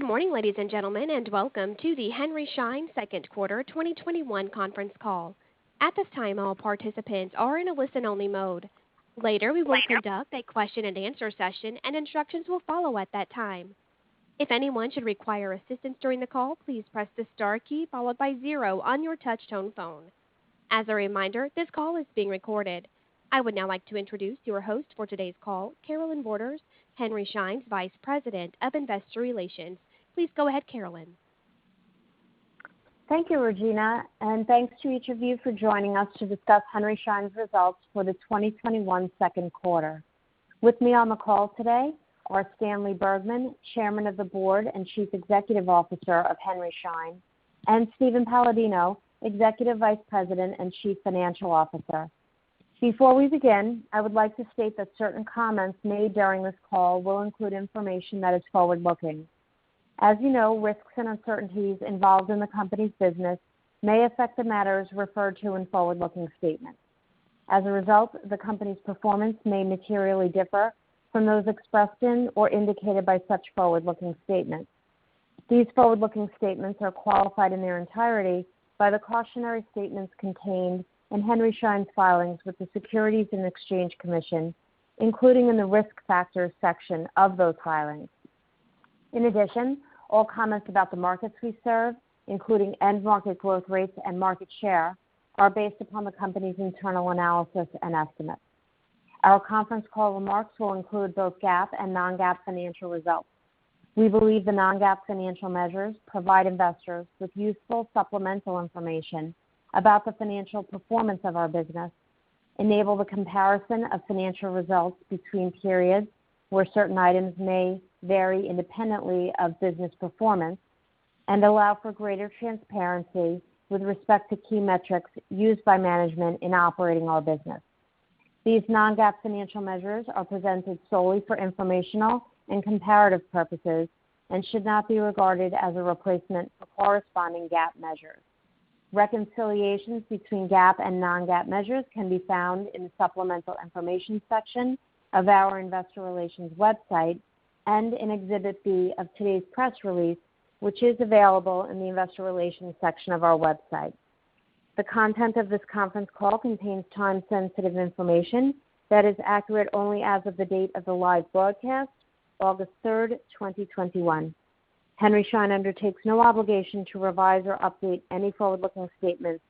Good morning, ladies and gentlemen, and welcome to the Henry Schein Second Quarter 2021 Conference Call. I would now like to introduce your host for today's call, Carolynne Borders, Henry Schein's Vice President of Investor Relations. Please go ahead, Carolynne. Thank you, Regina, and thanks to each of you for joining us to discuss Henry Schein's results for the 2021 second quarter. With me on the call today are Stanley Bergman, Chairman of the Board and Chief Executive Officer of Henry Schein, and Steven Paladino, Executive Vice President and Chief Financial Officer. Before we begin, I would like to state that certain comments made during this call will include information that is forward-looking. As you know, risks and uncertainties involved in the company's business may affect the matters referred to in forward-looking statements. As a result, the company's performance may materially differ from those expressed in or indicated by such forward-looking statements. These forward-looking statements are qualified in their entirety by the cautionary statements contained in Henry Schein's filings with the Securities and Exchange Commission, including in the Risk Factors section of those filings. In addition, all comments about the markets we serve, including end market growth rates and market share, are based upon the company's internal analysis and estimates. Our conference call remarks will include both GAAP and non-GAAP financial results. We believe the non-GAAP financial measures provide investors with useful supplemental information about the financial performance of our business, enable the comparison of financial results between periods where certain items may vary independently of business performance, and allow for greater transparency with respect to key metrics used by management in operating our business. These non-GAAP financial measures are presented solely for informational and comparative purposes and should not be regarded as a replacement for corresponding GAAP measures. Reconciliations between GAAP and non-GAAP measures can be found in the supplemental information section of our investor relations website and in Exhibit B of today's press release, which is available in the investor relations section of our website. The content of this conference call contains time-sensitive information that is accurate only as of the date of the live broadcast, August 3rd, 2021. Henry Schein undertakes no obligation to revise or update any forward-looking statements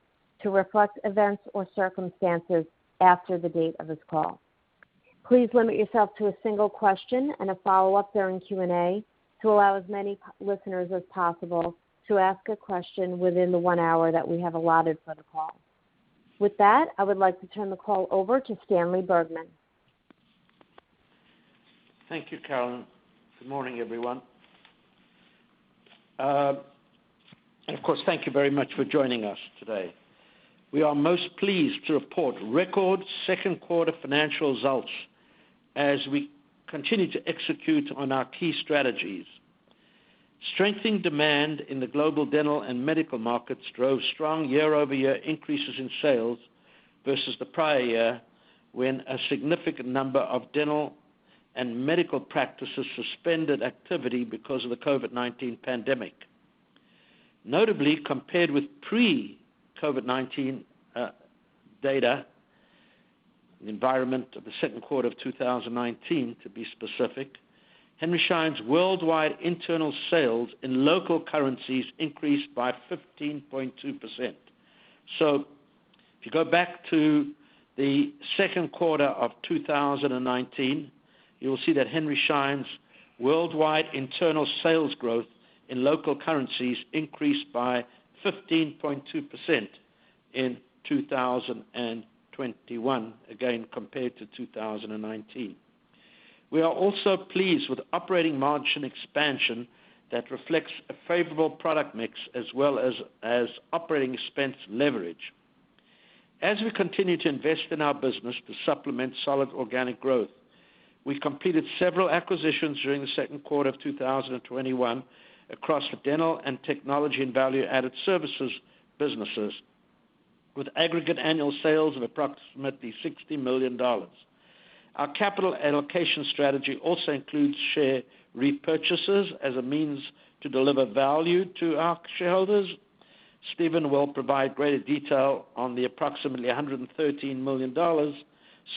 to reflect events or circumstances after the date of this call. Please limit yourself to a single question and a follow-up during Q&A to allow as many listeners as possible to ask a question within the one hour that we have allotted for the call. With that, I would like to turn the call over to Stanley Bergman. Thank you, Carolynne. Good morning, everyone. Of course, thank you very much for joining us today. We are most pleased to report record second quarter financial results as we continue to execute on our key strategies. Strengthening demand in the global dental and medical markets drove strong year-over-year increases in sales versus the prior year, when a significant number of dental and medical practices suspended activity because of the COVID-19 pandemic. Notably, compared with pre-COVID-19 data, the environment of the second quarter of 2019, to be specific, Henry Schein's worldwide internal sales in local currencies increased by 15.2%. If you go back to the second quarter of 2019, you'll see that Henry Schein's worldwide internal sales growth in local currencies increased by 15.2% in 2021, again, compared to 2019. We are also pleased with operating margin expansion that reflects a favorable product mix as well as operating expense leverage. As we continue to invest in our business to supplement solid organic growth, we completed several acquisitions during the second quarter of 2021 across the dental and technology and value-added services businesses with aggregate annual sales of approximately $60 million. Our capital allocation strategy also includes share repurchases as a means to deliver value to our shareholders. Steven will provide greater detail on the approximately $113 million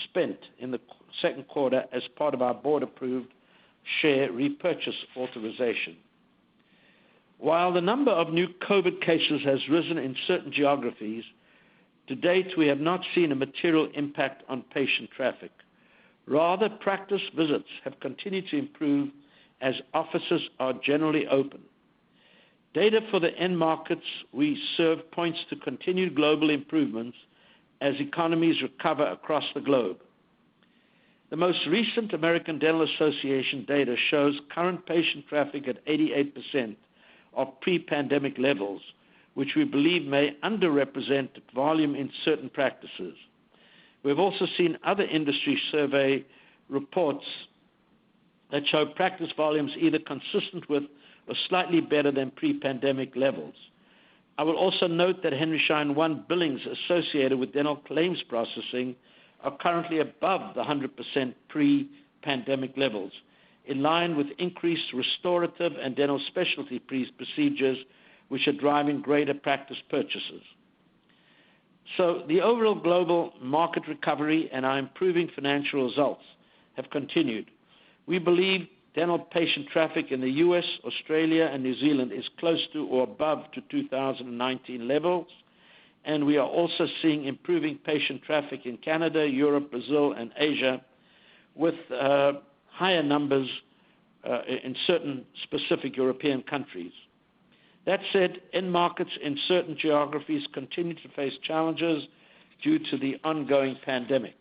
spent in the second quarter as part of our board-approved share repurchase authorization. While the number of new COVID cases has risen in certain geographies, to date, we have not seen a material impact on patient traffic. Rather, practice visits have continued to improve as offices are generally open. Data for the end markets we serve points to continued global improvements as economies recover across the globe. The most recent American Dental Association data shows current patient traffic at 88% of pre-pandemic levels, which we believe may underrepresent volume in certain practices. We've also seen other industry survey reports that show practice volumes either consistent with or slightly better than pre-pandemic levels. I will also note that Henry Schein One billings associated with dental claims processing are currently above the 100% pre-pandemic levels, in line with increased restorative and dental specialty procedures, which are driving greater practice purchases. The overall global market recovery and our improving financial results have continued. We believe dental patient traffic in the U.S., Australia, and New Zealand is close to or above 2019 levels, and we are also seeing improving patient traffic in Canada, Europe, Brazil, and Asia, with higher numbers in certain specific European countries. That said, end markets in certain geographies continue to face challenges due to the ongoing pandemic.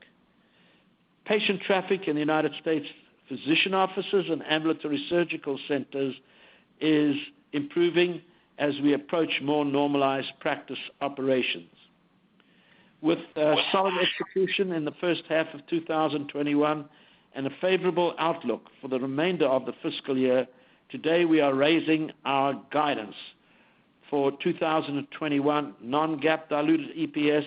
Patient traffic in the United States physician offices and ambulatory surgical centers is improving as we approach more normalized practice operations. With solid execution in the first half of 2021 and a favorable outlook for the remainder of the fiscal year, today we are raising our guidance for 2021 non-GAAP diluted EPS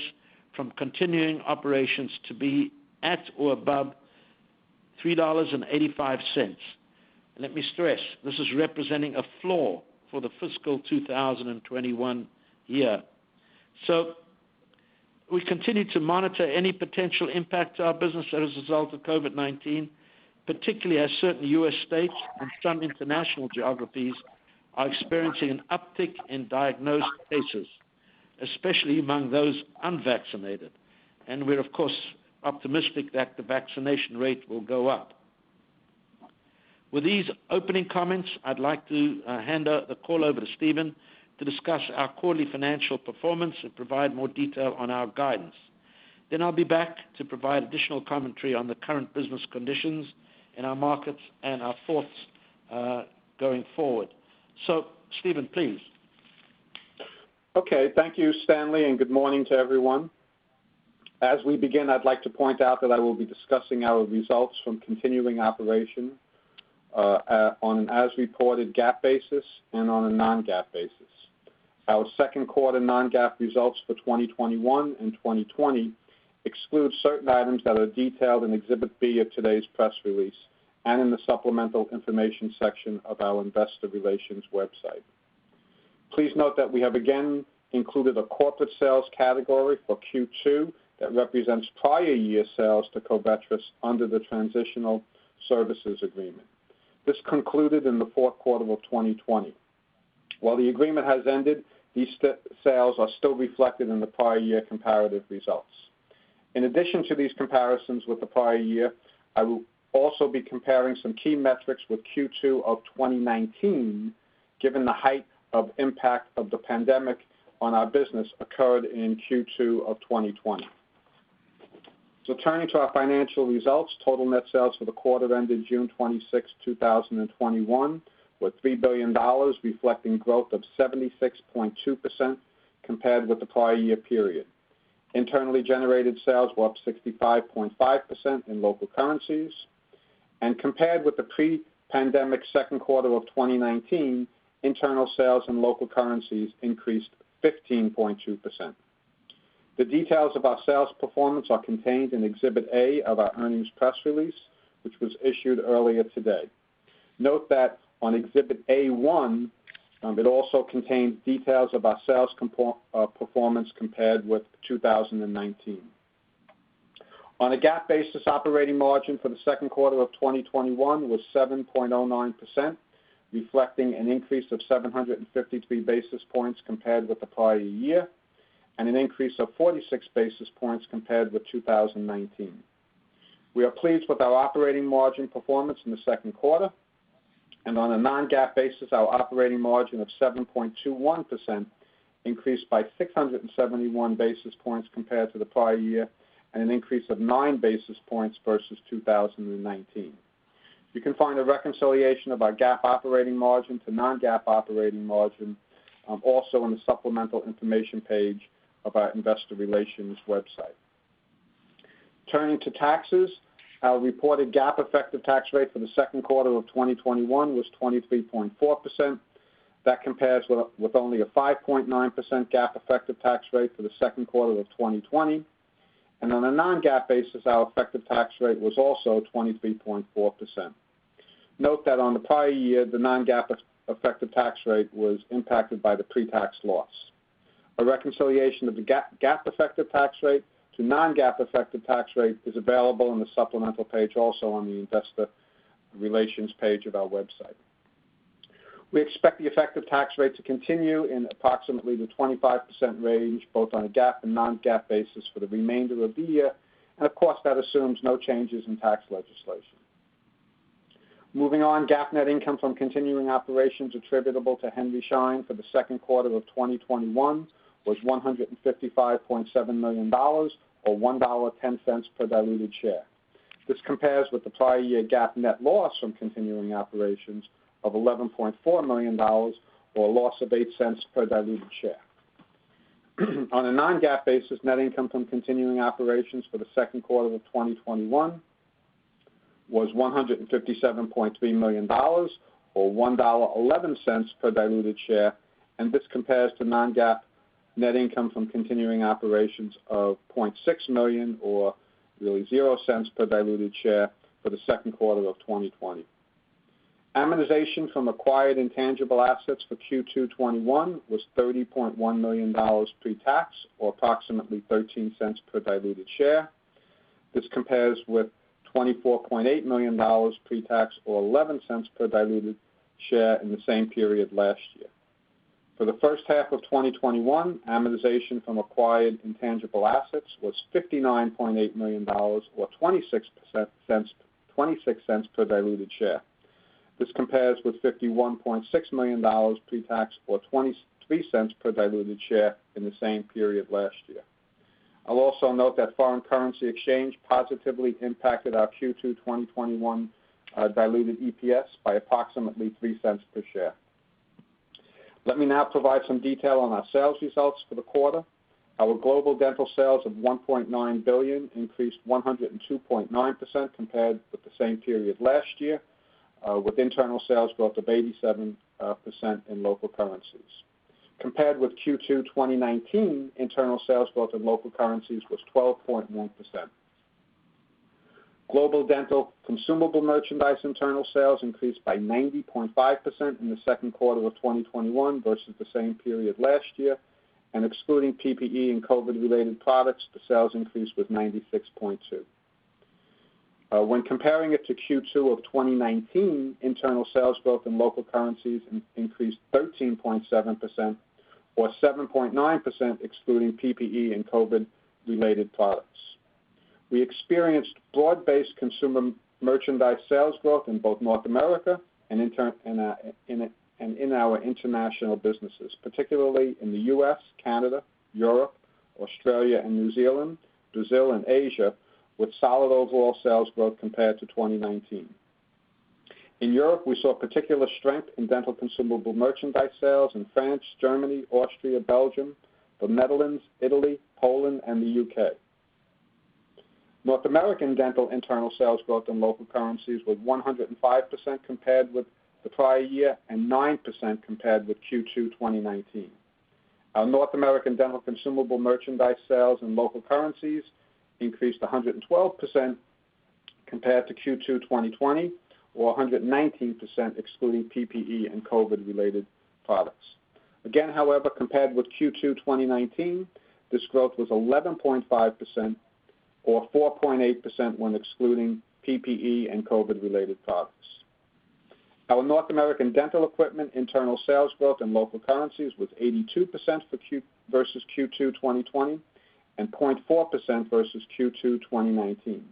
from continuing operations to be at or above $3.85. Let me stress, this is representing a floor for the fiscal 2021 year. We continue to monitor any potential impact to our business as a result of COVID-19, particularly as certain U.S. states and some international geographies are experiencing an uptick in diagnosed cases, especially among those unvaccinated. We're, of course, optimistic that the vaccination rate will go up. With these opening comments, I'd like to hand the call over to Steven to discuss our quarterly financial performance and provide more detail on our guidance. I'll be back to provide additional commentary on the current business conditions in our markets and our thoughts going forward. Steven, please. Okay. Thank you, Stanley, and good morning to everyone. As we begin, I'd like to point out that I will be discussing our results from continuing operation on an as-reported GAAP basis and on a non-GAAP basis. Our second quarter non-GAAP results for 2021 and 2020 exclude certain items that are detailed in Exhibit B of today's press release and in the supplemental information section of our investor relations website. Please note that we have, again, included a corporate sales category for Q2 that represents prior year sales to Covetrus under the transitional services agreement. This concluded in the fourth quarter of 2020. While the agreement has ended, these sales are still reflected in the prior year comparative results. In addition to these comparisons with the prior year, I will also be comparing some key metrics with Q2 of 2019, given the height of impact of the pandemic on our business occurred in Q2 of 2020. Turning to our financial results, total net sales for the quarter that ended June 26, 2021, were $3 billion, reflecting growth of 76.2% compared with the prior year period. Internally generated sales were up 65.5% in local currencies. Compared with the pre-pandemic second quarter of 2019, internal sales in local currencies increased 15.2%. The details of our sales performance are contained in Exhibit A of our earnings press release, which was issued earlier today. Note that on Exhibit A1, it also contains details of our sales performance compared with 2019. On a GAAP basis, operating margin for the second quarter of 2021 was 7.09%, reflecting an increase of 753 basis points compared with the prior year and an increase of 46 basis points compared with 2019. We are pleased with our operating margin performance in the second quarter. On a non-GAAP basis, our operating margin of 7.21% increased by 671 basis points compared to the prior year, and an increase of 9 basis points versus 2019. You can find a reconciliation of our GAAP operating margin to non-GAAP operating margin also on the supplemental information page of our investor relations website. Turning to taxes, our reported GAAP effective tax rate for the second quarter of 2021 was 23.4%. That compares with only a 5.9% GAAP effective tax rate for the second quarter of 2020. On a non-GAAP basis, our effective tax rate was also 23.4%. Note that on the prior year, the non-GAAP effective tax rate was impacted by the pre-tax loss. A reconciliation of the GAAP effective tax rate to non-GAAP effective tax rate is available on the supplemental page, also on the investor relations page of our website. We expect the effective tax rate to continue in approximately the 25% range, both on a GAAP and non-GAAP basis for the remainder of the year. Of course, that assumes no changes in tax legislation. Moving on, GAAP net income from continuing operations attributable to Henry Schein for the second quarter of 2021 was $155.7 million, or $1.10 per diluted share. This compares with the prior year GAAP net loss from continuing operations of $11.4 million, or a loss of $0.08 per diluted share. On a non-GAAP basis, net income from continuing operations for the second quarter of 2021 was $157.3 million, or $1.11 per diluted share. This compares to non-GAAP net income from continuing operations of $0.6 million or really $0.00 per diluted share for the second quarter of 2020. Amortization from acquired intangible assets for Q2 2021 was $30.1 million pre-tax, or approximately $0.13 per diluted share. This compares with $24.8 million pre-tax, or $0.11 per diluted share in the same period last year. For the first half of 2021, amortization from acquired intangible assets was $59.8 million, or $0.26 per diluted share. This compares with $51.6 million pre-tax, or $0.23 per diluted share in the same period last year. I'll also note that foreign currency exchange positively impacted our Q2 2021 diluted EPS by approximately $0.03 per share. Let me now provide some detail on our sales results for the quarter. Our global dental sales of $1.9 billion increased 102.9% compared with the same period last year, with internal sales growth of 87% in local currencies. Compared with Q2 2019, internal sales growth in local currencies was 12.1%. Global dental consumable merchandise internal sales increased by 90.5% in the second quarter of 2021 versus the same period last year, and excluding PPE and COVID-related products, the sales increase was 96.2%. When comparing it to Q2 of 2019, internal sales growth in local currencies increased 13.7%, or 7.9% excluding PPE and COVID-related products. We experienced broad-based consumable merchandise sales growth in both North America and in our international businesses, particularly in the U.S., Canada, Europe, Australia and New Zealand, Brazil, and Asia, with solid overall sales growth compared to 2019. In Europe, we saw particular strength in dental consumable merchandise sales in France, Germany, Austria, Belgium, the Netherlands, Italy, Poland, and the U.K. North American dental internal sales growth in local currencies was 105% compared with the prior year, and 9% compared with Q2 2019. Our North American dental consumable merchandise sales in local currencies increased 112% compared to Q2 2020, or 119% excluding PPE and COVID-related products. Again, however, compared with Q2 2019, this growth was 11.5%, or 4.8% when excluding PPE and COVID-related products. Our North American dental equipment internal sales growth in local currencies was 82% versus Q2 2020, and 0.4% versus Q2 2019.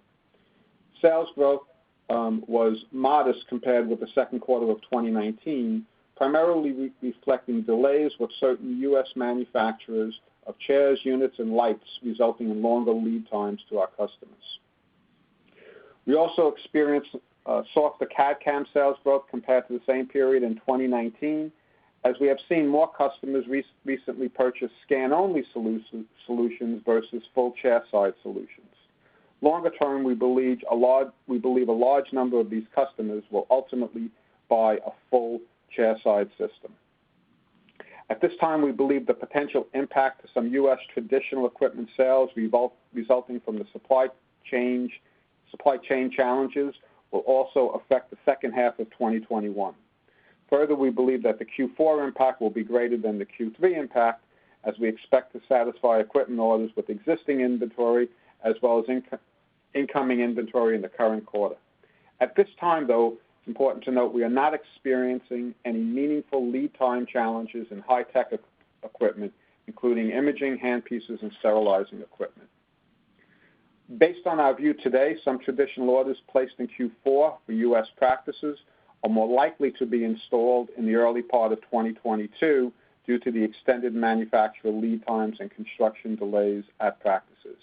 Sales growth was modest compared with the second quarter of 2019, primarily reflecting delays with certain U.S. manufacturers of chairs, units, and lights, resulting in longer lead times to our customers. We also experienced softer CAD/CAM sales growth compared to the same period in 2019, as we have seen more customers recently purchase scan-only solutions versus full chairside solutions. Longer term, we believe a large number of these customers will ultimately buy a full chairside system. At this time, we believe the potential impact to some U.S. traditional equipment sales resulting from the supply chain challenges will also affect the second half of 2021. Further, we believe that the Q4 impact will be greater than the Q3 impact, as we expect to satisfy equipment orders with existing inventory, as well as incoming inventory in the current quarter. At this time, though, it's important to note we are not experiencing any meaningful lead time challenges in high tech equipment, including imaging hand pieces and sterilizing equipment. Based on our view today, some traditional orders placed in Q4 for U.S. practices are more likely to be installed in the early part of 2022 due to the extended manufacturer lead times and construction delays at practices.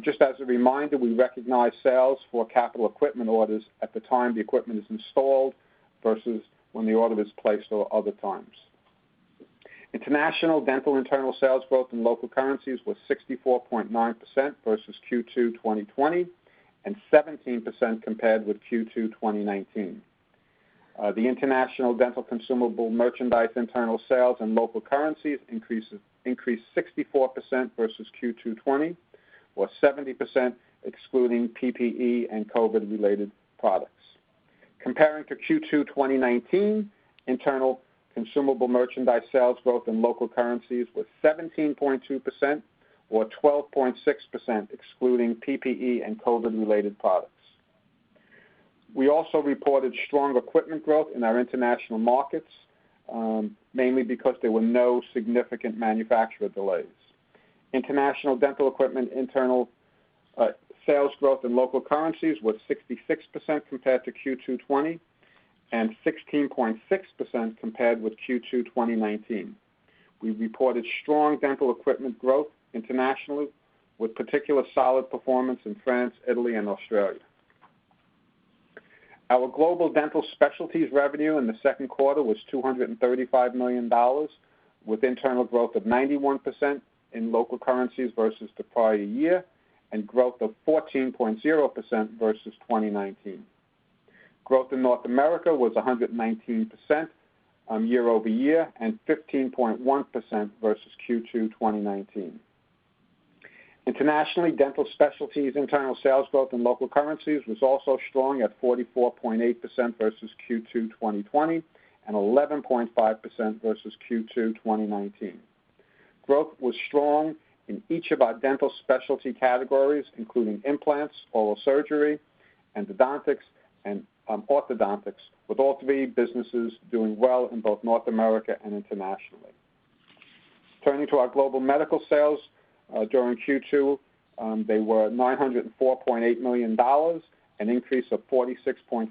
Just as a reminder, we recognize sales for capital equipment orders at the time the equipment is installed, versus when the order is placed or other times. International dental internal sales growth in local currencies was 64.9% versus Q2 2020, and 17% compared with Q2 2019. The international dental consumable merchandise internal sales in local currencies increased 64% versus Q2 2020, or 70% excluding PPE and COVID-related products. Comparing to Q2 2019, internal consumable merchandise sales growth in local currencies was 17.2%, or 12.6% excluding PPE and COVID-related products. We also reported strong equipment growth in our international markets, mainly because there were no significant manufacturer delays. International dental equipment internal sales growth in local currencies was 66% compared to Q2 2020, and 16.6% compared with Q2 2019. We reported strong dental equipment growth internationally, with particular solid performance in France, Italy, and Australia. Our global dental specialties revenue in the second quarter was $235 million, with internal growth of 91% in local currencies versus the prior year, and growth of 14.0% versus 2019. Growth in North America was 119% year-over-year, and 15.1% versus Q2 2019. Internationally, dental specialties internal sales growth in local currencies was also strong at 44.8% versus Q2 2020, and 11.5% versus Q2 2019. Growth was strong in each of our dental specialty categories, including implants, oral surgery, endodontics, and orthodontics, with all three businesses doing well in both North America and internationally. Turning to our global medical sales. During Q2, they were $904.8 million, an increase of 46.5%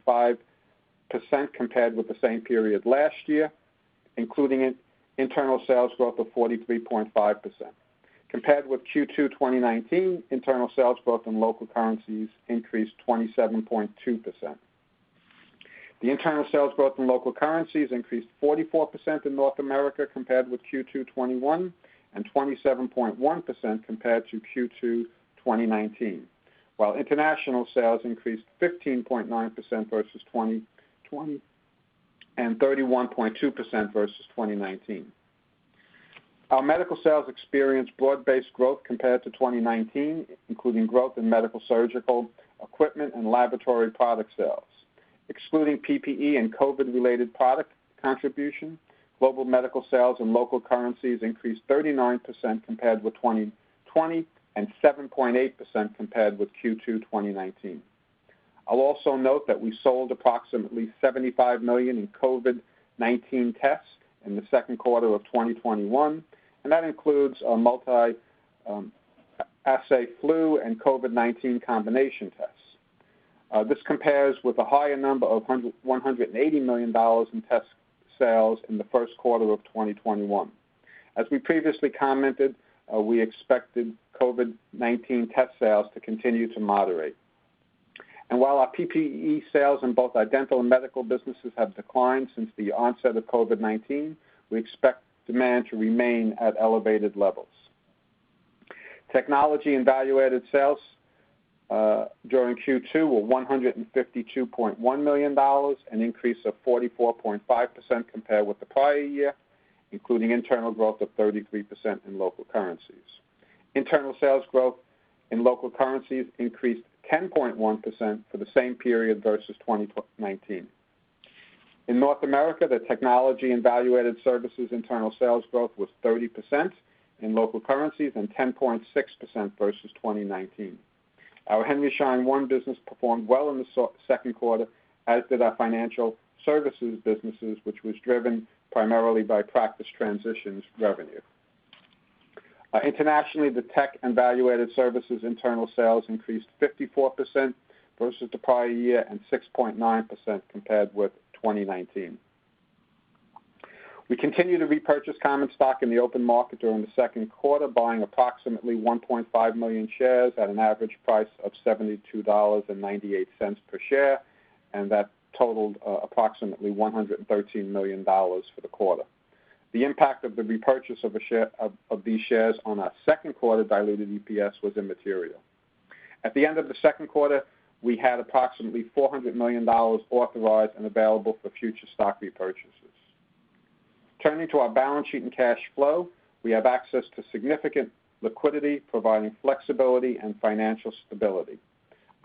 compared with the same period last year, including internal sales growth of 43.5%. Compared with Q2 2019, internal sales growth in local currencies increased 27.2%. The internal sales growth in local currencies increased 44% in North America compared with Q2 2021, and 27.1% compared to Q2 2019. While international sales increased 15.9% versus 2020, and 31.2% versus 2019. Our medical sales experienced broad-based growth compared to 2019, including growth in medical surgical equipment and laboratory product sales. Excluding PPE and COVID-related product contribution, global medical sales and local currencies increased 39% compared with 2020, and 7.8% compared with Q2 2019. I'll also note that we sold approximately $75 million in COVID-19 tests in the second quarter of 2021, and that includes our multi assay flu and COVID-19 combination tests. This compares with a higher number of $180 million in test sales in the first quarter of 2021. As we previously commented, we expected COVID-19 test sales to continue to moderate. While our PPE sales in both our dental and medical businesses have declined since the onset of COVID-19, we expect demand to remain at elevated levels. Technology and value added sales during Q2 were $152.1 million, an increase of 44.5% compared with the prior year, including internal growth of 33% in local currencies. Internal sales growth in local currencies increased 10.1% for the same period versus 2019. In North America, the technology and value added services internal sales growth was 30% in local currencies and 10.6% versus 2019. Our Henry Schein One business performed well in the second quarter, as did our financial services businesses, which was driven primarily by practice transitions revenue. Internationally, the tech and value added services internal sales increased 54% versus the prior year, and 6.9% compared with 2019. We continued to repurchase common stock in the open market during the second quarter, buying approximately 1.5 million shares at an average price of $72.98 per share, and that totaled approximately $113 million for the quarter. The impact of the repurchase of these shares on our second quarter diluted EPS was immaterial. At the end of the second quarter, we had approximately $400 million authorized and available for future stock repurchases. Turning to our balance sheet and cash flow. We have access to significant liquidity, providing flexibility and financial stability.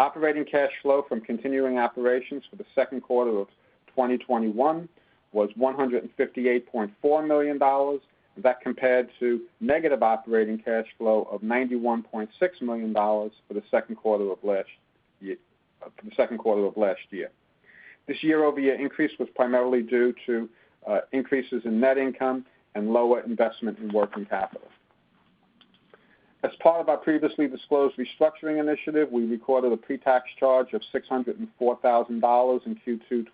Operating cash flow from continuing operations for the second quarter of 2021 was $158.4 million. That compared to negative operating cash flow of $91.6 million for the second quarter of last year. This year-over-year increase was primarily due to increases in net income and lower investment in working capital. As part of our previously disclosed restructuring initiative, we recorded a pre-tax charge of $604,000 in Q2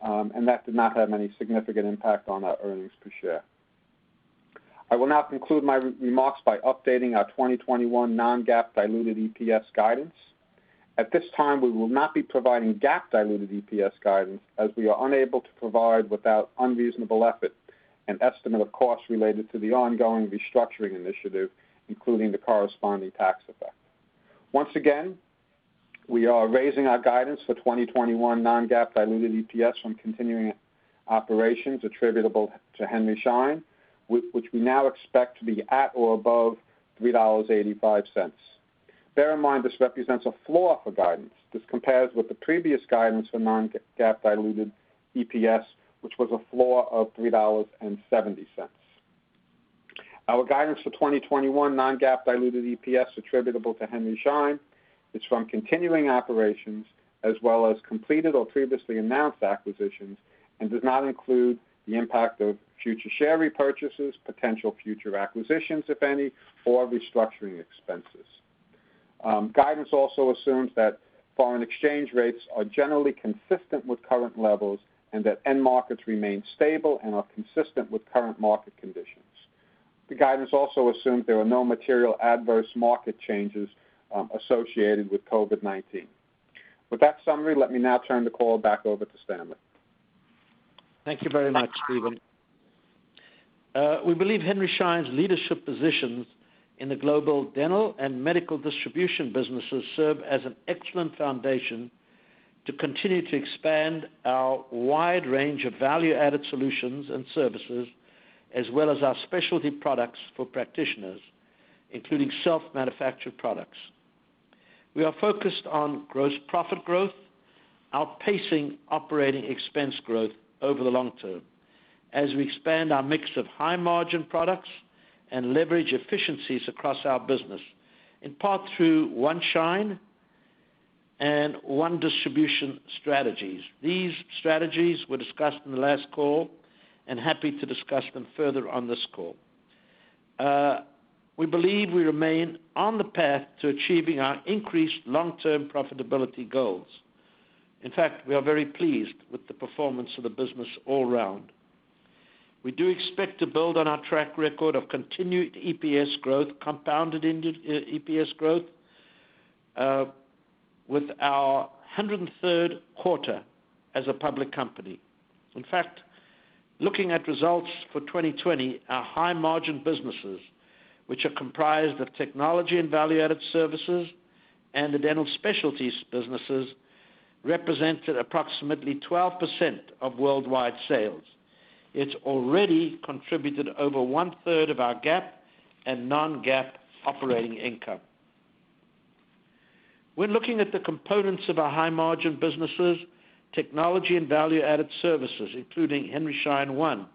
2021, that did not have any significant impact on our earnings per share. I will now conclude my remarks by updating our 2021 non-GAAP diluted EPS guidance. At this time, we will not be providing GAAP diluted EPS guidance, as we are unable to provide without unreasonable effort an estimate of costs related to the ongoing restructuring initiative, including the corresponding tax effect. Once again, we are raising our guidance for 2021 non-GAAP diluted EPS from continuing operations attributable to Henry Schein, which we now expect to be at or above $3.85. Bear in mind, this represents a floor for guidance. This compares with the previous guidance for non-GAAP diluted EPS, which was a floor of $3.70. Our guidance for 2021 non-GAAP diluted EPS attributable to Henry Schein is from continuing operations as well as completed or previously announced acquisitions and does not include the impact of future share repurchases, potential future acquisitions, if any, or restructuring expenses. Guidance also assumes that foreign exchange rates are generally consistent with current levels and that end markets remain stable and are consistent with current market conditions. The guidance also assumes there are no material adverse market changes associated with COVID-19. With that summary, let me now turn the call back over to Stanley. Thank you very much, Steven. We believe Henry Schein's leadership positions in the global dental and medical distribution businesses serve as an excellent foundation to continue to expand our wide range of value-added solutions and services, as well as our specialty products for practitioners, including self-manufactured products. We are focused on gross profit growth, outpacing operating expense growth over the long term as we expand our mix of high-margin products and leverage efficiencies across our business, in part through One Schein and One Distribution strategies. These strategies were discussed on the last call. Happy to discuss them further on this call. We believe we remain on the path to achieving our increased long-term profitability goals. In fact, we are very pleased with the performance of the business all around. We do expect to build on our track record of continued compounded EPS growth, with our 103rd quarter as a public company. In fact, looking at results for 2020, our high-margin businesses, which are comprised of technology and value-added services and the dental specialties businesses, represented approximately 12% of worldwide sales. It's already contributed over one-third of our GAAP and non-GAAP operating income. When looking at the components of our high-margin businesses, technology and value-added services, including Henry Schein One,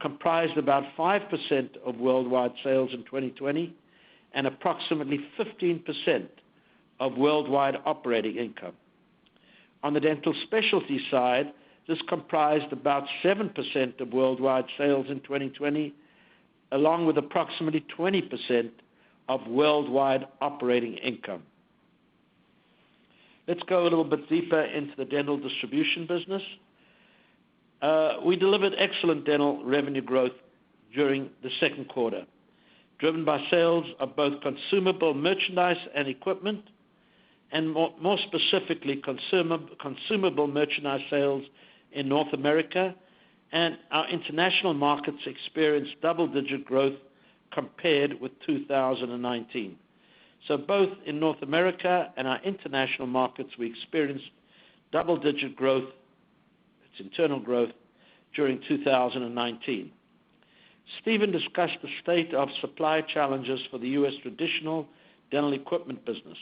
comprised about 5% of worldwide sales in 2020 and approximately 15% of worldwide operating income. On the dental specialty side, this comprised about 7% of worldwide sales in 2020, along with approximately 20% of worldwide operating income. Let's go a little bit deeper into the dental distribution business. We delivered excellent dental revenue growth during the second quarter, driven by sales of both consumable merchandise and equipment, and more specifically, consumable merchandise sales in North America. Our international markets experienced double-digit growth compared with 2019. Both in North America and our international markets, we experienced double-digit growth, its internal growth, during 2019. Steven discussed the state of supply challenges for the U.S. traditional dental equipment business.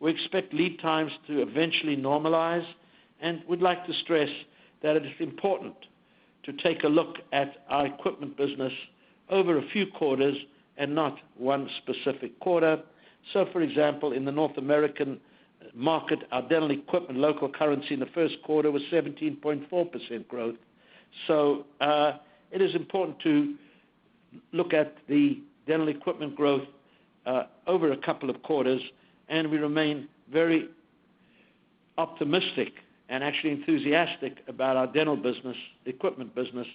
We expect lead times to eventually normalize, and we'd like to stress that it is important to take a look at our equipment business over a few quarters and not one specific quarter. For example, in the North American market, our dental equipment local currency in the first quarter was 17.4% growth. It is important to look at the dental equipment growth over a couple of quarters, and we remain very optimistic and actually enthusiastic about our dental equipment business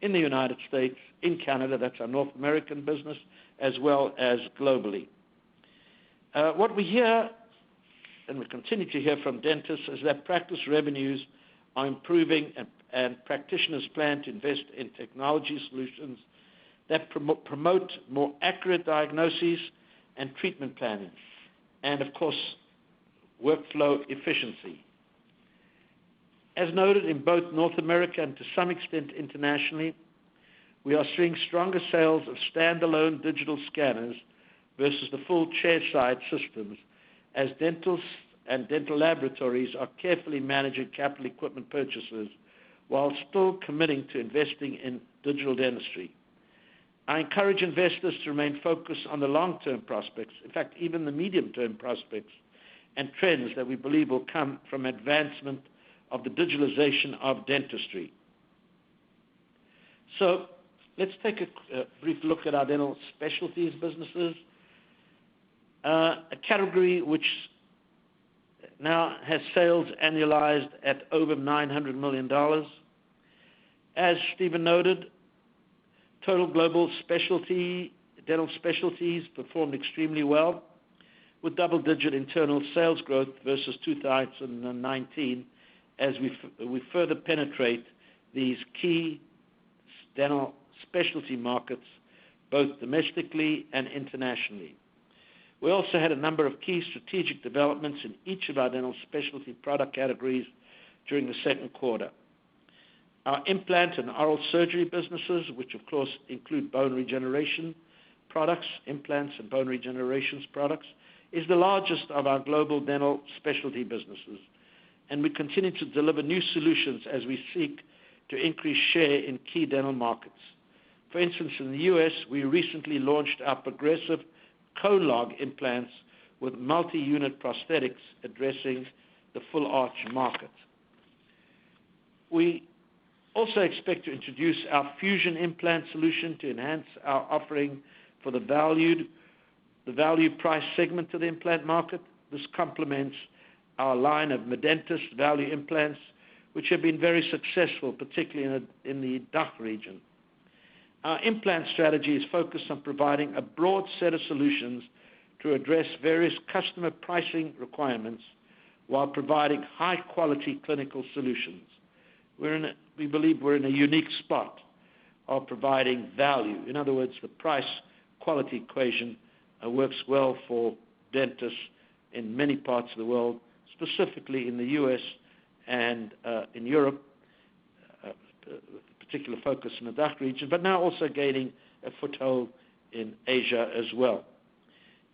in the U.S., in Canada, that's our North American business, as well as globally. What we hear, and we continue to hear from dentists, is that practice revenues are improving, and practitioners plan to invest in technology solutions that promote more accurate diagnoses and treatment planning, and of course, workflow efficiency. As noted, in both North America and to some extent internationally, we are seeing stronger sales of standalone digital scanners versus the full chairside systems, as dentists and dental laboratories are carefully managing capital equipment purchases while still committing to investing in digital dentistry. I encourage investors to remain focused on the long-term prospects. Even the medium-term prospects and trends that we believe will come from advancement of the digitalization of dentistry. Let's take a brief look at our dental specialties businesses, a category which now has sales annualized at over $900 million. As Steven noted, total global dental specialties performed extremely well with double-digit internal sales growth versus 2019, as we further penetrate these key dental specialty markets, both domestically and internationally. We also had a number of key strategic developments in each of our dental specialty product categories during the second quarter. Our implant and oral surgery businesses, which of course include bone regeneration products, implants, and bone regenerations products, is the largest of our global dental specialty businesses, and we continue to deliver new solutions as we seek to increase share in key dental markets. For instance, in the U.S., we recently launched our Progressive CAMLOG implants with multi-unit prosthetics addressing the full-arch market. We also expect to introduce our Fuzion implant solution to enhance our offering for the value price segment of the implant market. This complements our line of Medentis value implants, which have been very successful, particularly in the DACH region. Our implant strategy is focused on providing a broad set of solutions to address various customer pricing requirements while providing high-quality clinical solutions. We believe we're in a unique spot of providing value. In other words, the price/quality equation works well for dentists in many parts of the world, specifically in the U.S. and in Europe, with particular focus in the DACH region, but now also gaining a foothold in Asia as well.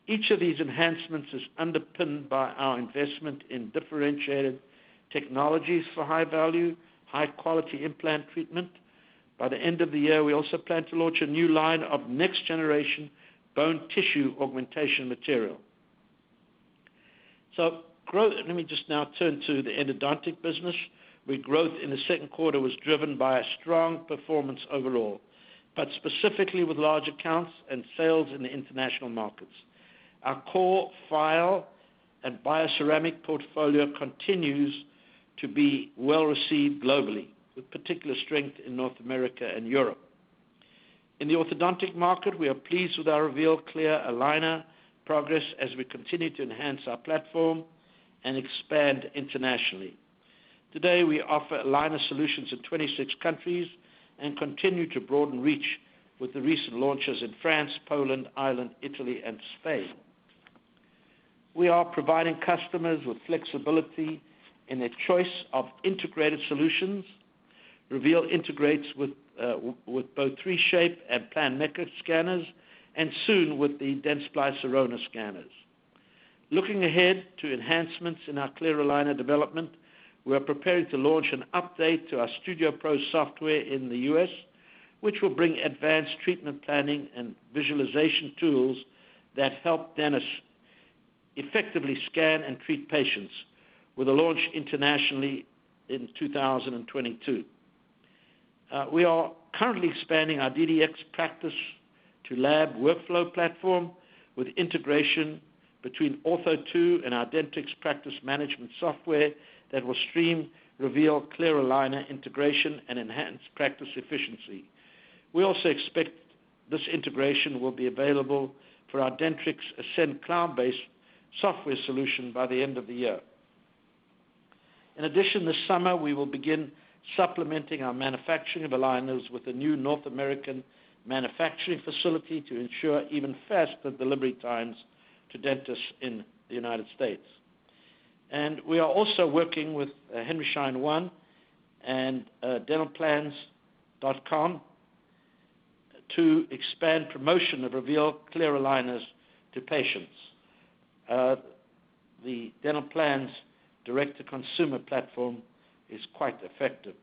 Each of these enhancements is underpinned by our investment in differentiated technologies for high-value, high-quality implant treatment. By the end of the year, we also plan to launch a new line of next-generation bone tissue augmentation material. Growth. Let me just now turn to the endodontic business, where growth in the second quarter was driven by a strong performance overall, but specifically with large accounts and sales in the international markets. Our core file and bioceramic portfolio continues to be well-received globally, with particular strength in North America and Europe. In the orthodontic market, we are pleased with our Reveal Clear Aligner progress as we continue to enhance our platform and expand internationally. Today, we offer aligner solutions in 26 countries and continue to broaden reach with the recent launches in France, Poland, Ireland, Italy, and Spain. We are providing customers with flexibility in their choice of integrated solutions. Reveal integrates with both 3Shape and Planmeca scanners, and soon with the Dentsply Sirona scanners. Looking ahead to enhancements in our clear aligner development, we are preparing to launch an update to our Studio Pro software in the U.S., which will bring advanced treatment planning and visualization tools that help dentists effectively scan and treat patients, with a launch internationally in 2022. We are currently expanding our DDX practice to lab workflow platform with integration between Ortho2 and our Dentrix practice management software that will stream Reveal Clear Aligner integration and enhance practice efficiency. We also expect this integration will be available for our Dentrix Ascend cloud-based software solution by the end of the year. In addition, this summer, we will begin supplementing our manufacturing of aligners with a new North American manufacturing facility to ensure even faster delivery times to dentists in the United States. We are also working with Henry Schein One and DentalPlans.com to expand promotion of Reveal Clear Aligners to patients. The dental plans direct-to-consumer platform is quite effective.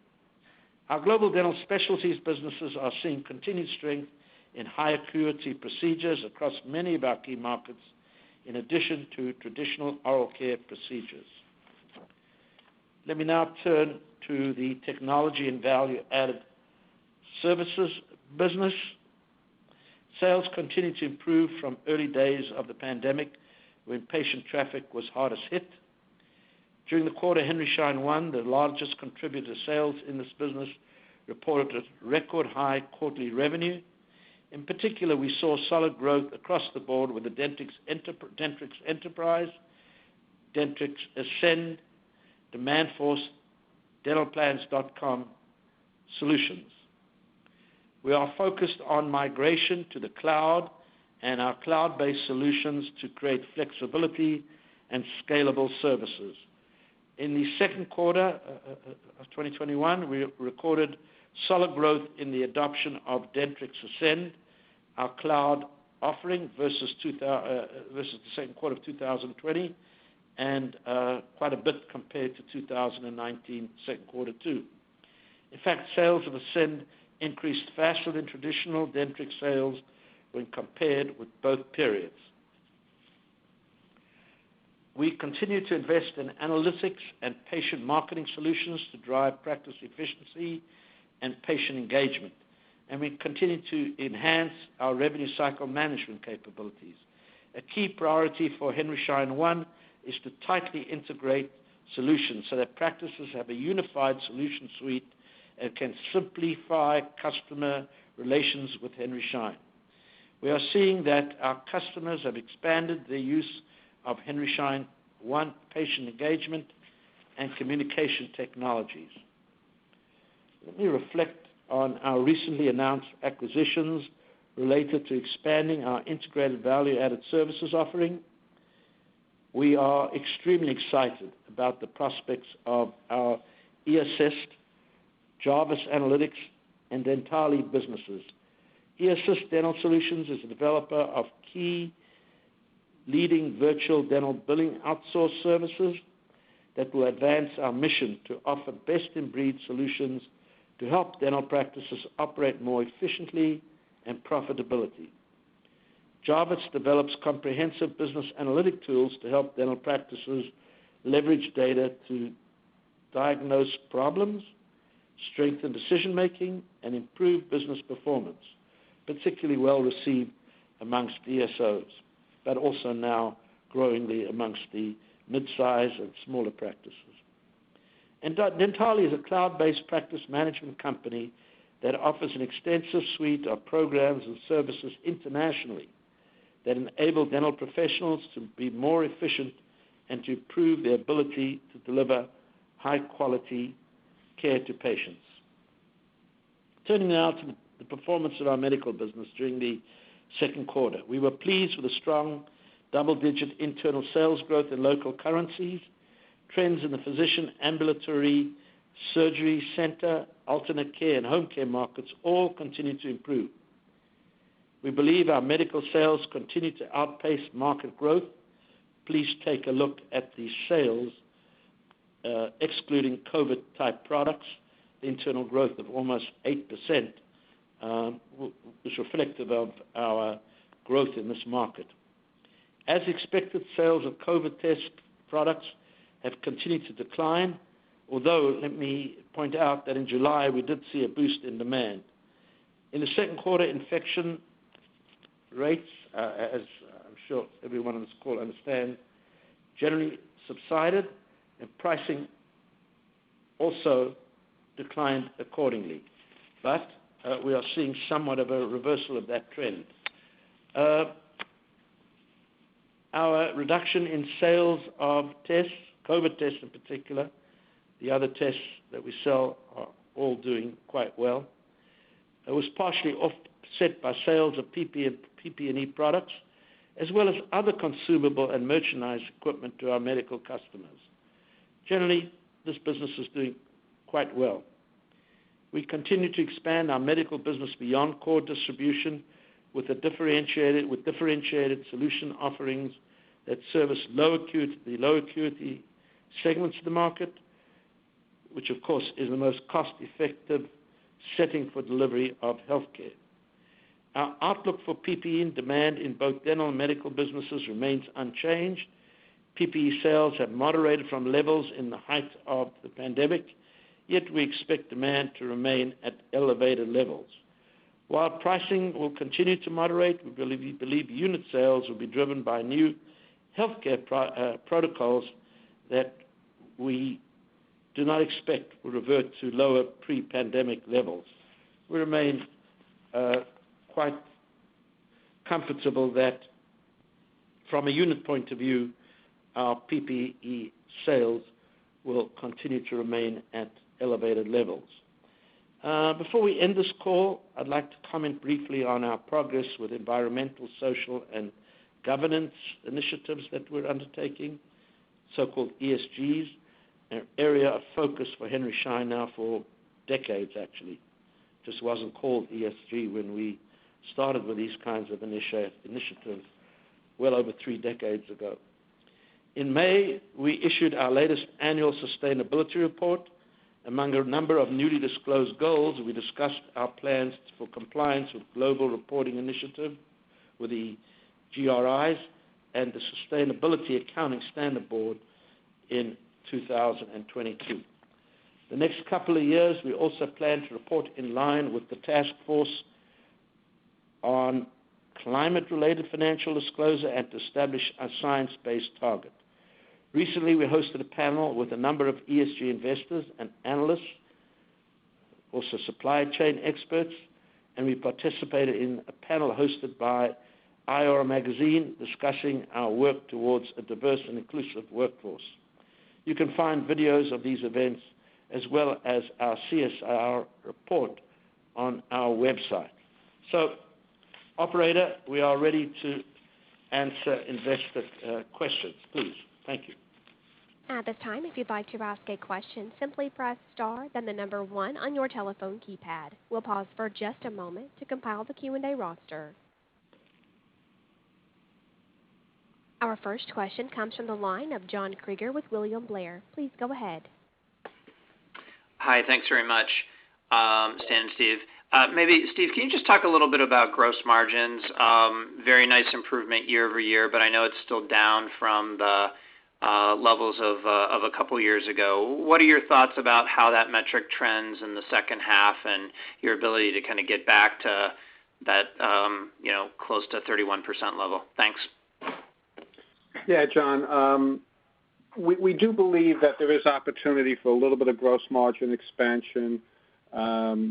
Our global dental specialties businesses are seeing continued strength in high-acuity procedures across many of our key markets, in addition to traditional oral care procedures. Let me now turn to the technology and value-added services business. Sales continue to improve from early days of the pandemic, when patient traffic was hardest hit. During the quarter, Henry Schein One, the largest contributor sales in this business, reported a record-high quarterly revenue. In particular, we saw solid growth across the board with the Dentrix Enterprise, Dentrix Ascend, Demandforce, DentalPlans.com solutions. We are focused on migration to the cloud and our cloud-based solutions to create flexibility and scalable services. In the second quarter of 2021, we recorded solid growth in the adoption of Dentrix Ascend, our cloud offering, versus the second quarter of 2020, and quite a bit compared to 2019 second quarter too. In fact, sales of Ascend increased faster than traditional Dentrix sales when compared with both periods. We continue to invest in analytics and patient marketing solutions to drive practice efficiency and patient engagement, and we continue to enhance our revenue cycle management capabilities. A key priority for Henry Schein One is to tightly integrate solutions so that practices have a unified solution suite and can simplify customer relations with Henry Schein. We are seeing that our customers have expanded their use of Henry Schein One patient engagement and communication technologies. Let me reflect on our recently announced acquisitions related to expanding our integrated value-added services offering. We are extremely excited about the prospects of our eAssist, Jarvis Analytics, and Dentally businesses. eAssist Dental Solutions is a developer of key leading virtual dental billing outsource services that will advance our mission to offer best-in-breed solutions to help dental practices operate more efficiently and profitability. Jarvis develops comprehensive business analytic tools to help dental practices leverage data to diagnose problems, strengthen decision-making, and improve business performance, particularly well-received amongst DSOs, but also now growingly amongst the midsize and smaller practices. Dentally is a cloud-based practice management company that offers an extensive suite of programs and services internationally that enable dental professionals to be more efficient and to improve their ability to deliver high-quality care to patients. Turning now to the performance of our medical business during the second quarter. We were pleased with the strong double-digit internal sales growth in local currencies. Trends in the physician, ambulatory surgery center, alternate care, and home care markets all continue to improve. We believe our medical sales continue to outpace market growth. Please take a look at the sales, excluding COVID-type products. The internal growth of almost 8% is reflective of our growth in this market. As expected, sales of COVID test products have continued to decline, although let me point out that in July, we did see a boost in demand. In the second quarter, infection rates, as I'm sure everyone on this call understands, generally subsided, and pricing also declined accordingly. We are seeing somewhat of a reversal of that trend. Our reduction in sales of tests, COVID tests in particular, the other tests that we sell are all doing quite well. It was partially offset by sales of PPE products, as well as other consumable and merchandise equipment to our medical customers. Generally, this business is doing quite well. We continue to expand our medical business beyond core distribution with differentiated solution offerings that service the low acuity segments of the market, which of course, is the most cost-effective setting for delivery of healthcare. Our outlook for PPE demand in both dental and medical businesses remains unchanged. PPE sales have moderated from levels in the height of the pandemic, yet we expect demand to remain at elevated levels. While pricing will continue to moderate, we believe unit sales will be driven by new healthcare protocols that we do not expect will revert to lower pre-pandemic levels. We remain quite comfortable that from a unit point of view, our PPE sales will continue to remain at elevated levels. Before we end this call, I'd like to comment briefly on our progress with environmental, social, and governance initiatives that we're undertaking, so-called ESGs, an area of focus for Henry Schein now for decades, actually. Just wasn't called ESG when we started with these kinds of initiatives well over 3 decades ago. In May, we issued our latest annual sustainability report. Among a number of newly disclosed goals, we discussed our plans for compliance with Global Reporting Initiative, with the GRIs, and the Sustainability Accounting Standards Board in 2022. The next couple of years, we also plan to report in line with the Task Force on Climate-related Financial Disclosures and to establish a science-based target. Recently, we hosted a panel with a number of ESG investors and analysts, also supply chain experts, and we participated in a panel hosted by IR Magazine discussing our work towards a diverse and inclusive workforce. You can find videos of these events as well as our CSR report on our website. Operator, we are ready to answer investor questions, please. Thank you. At this time, if you'd like to ask a question, simply press star, then the number one on your telephone keypad. We'll pause for just a moment to compile the Q&A roster. Our first question comes from the line of Jon Kreger with William Blair. Please go ahead. Hi. Thanks very much, Stan and Steve. Maybe Steve, can you just talk a little bit about gross margins? Very nice improvement year-over-year, but I know it's still down from the levels of a couple of years ago. What are your thoughts about how that metric trends in the second half and your ability to kind of get back to that close to 31% level? Thanks. Yeah, Jon. We do believe that there is opportunity for a little bit of gross margin expansion.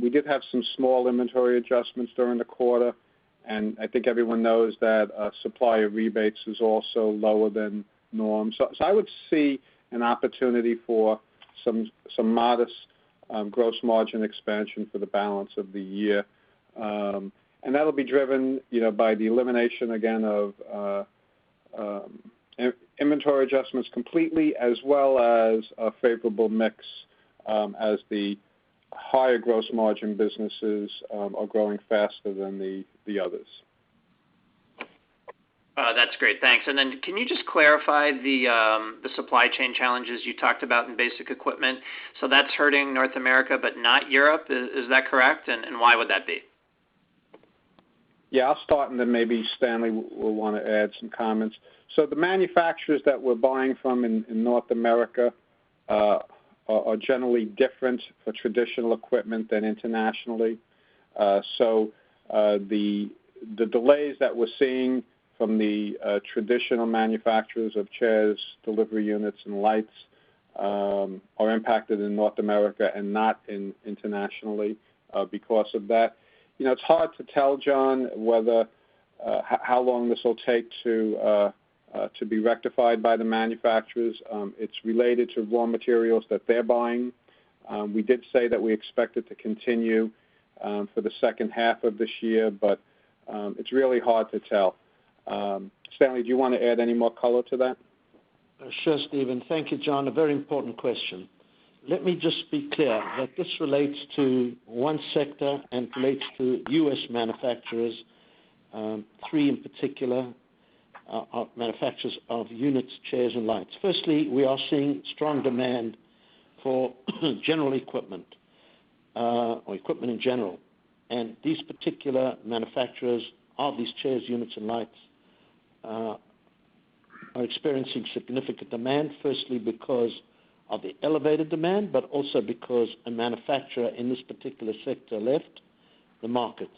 We did have some small inventory adjustments during the quarter. I think everyone knows that supplier rebates is also lower than norm. I would see an opportunity for some modest gross margin expansion for the balance of the year. That'll be driven by the elimination, again, of inventory adjustments completely, as well as a favorable mix as the higher gross margin businesses are growing faster than the others. That's great. Thanks. Can you just clarify the supply chain challenges you talked about in basic equipment? That's hurting North America but not Europe, is that correct? Why would that be? Yeah, I'll start, and then maybe Stanley Bergman will want to add some comments. The manufacturers that we're buying from in North America are generally different for traditional equipment than internationally. The delays that we're seeing from the traditional manufacturers of chairs, delivery units, and lights are impacted in North America and not internationally because of that. It's hard to tell, Jon, how long this will take to be rectified by the manufacturers. It's related to raw materials that they're buying. We did say that we expect it to continue for the second half of this year, but it's really hard to tell. Stanley, do you want to add any more color to that? Sure, Steven. Thank you, Jon. A very important question. Let me just be clear that this relates to one sector and relates to U.S. manufacturers, three in particular are manufacturers of units, chairs, and lights. We are seeing strong demand for general equipment or equipment in general. These particular manufacturers of these chairs, units, and lights are experiencing significant demand because of the elevated demand, but also because a manufacturer in this particular sector left the market.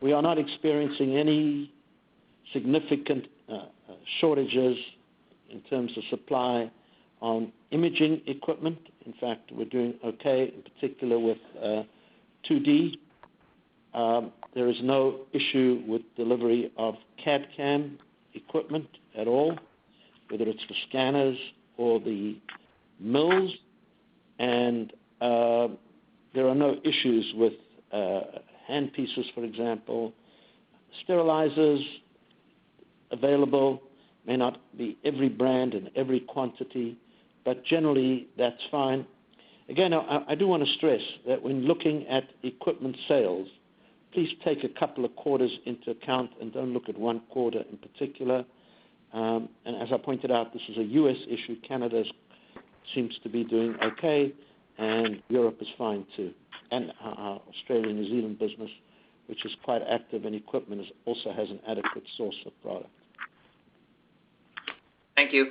We are not experiencing any significant shortages in terms of supply on imaging equipment. In fact, we're doing okay, in particular with 2D. There is no issue with delivery of CAD/CAM equipment at all, whether it's the scanners or the mills, and there are no issues with hand pieces, for example. Sterilizers available may not be every brand and every quantity, but generally that's fine. I do want to stress that when looking at equipment sales, please take two quarters into account and don't look at one quarter in particular. As I pointed out, this is a U.S. issue. Canada seems to be doing okay, and Europe is fine too. Our Australia and New Zealand business, which is quite active in equipment, also has an adequate source of product. Thank you.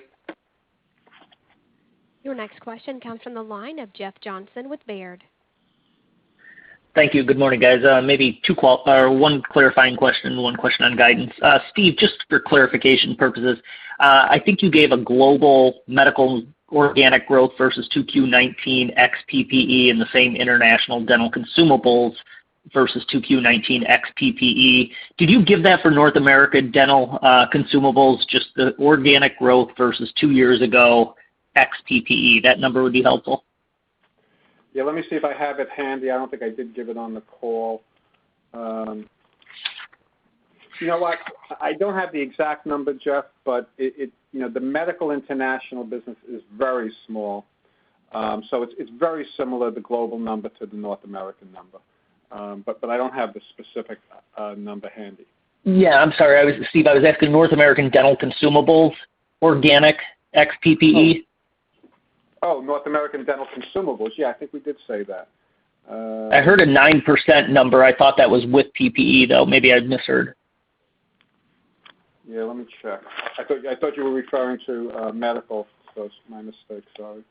Your next question comes from the line of Jeff Johnson with Baird. Thank you. Good morning, guys. Maybe one clarifying question and one question on guidance. Steve, just for clarification purposes, I think you gave a global medical organic growth versus Q2 2019 ex PPE in the same international dental consumables versus Q2 2019 ex PPE. Did you give that for North America dental consumables, just the organic growth versus two years ago, ex PPE? That number would be helpful. Yeah, let me see if I have it handy. I don't think I did give it on the call. You know what? I don't have the exact number, Jeff, but the medical international business is very small. It's very similar, the global number to the North American number. I don't have the specific number handy. Yeah. I'm sorry, Steve. I was asking North American dental consumables, organic ex PPE. Oh, North American dental consumables. Yeah, I think we did say that. I heard a 9% number. I thought that was with PPE, though. Maybe I misheard. Yeah, let me check. I thought you were referring to medical. My mistake, sorry.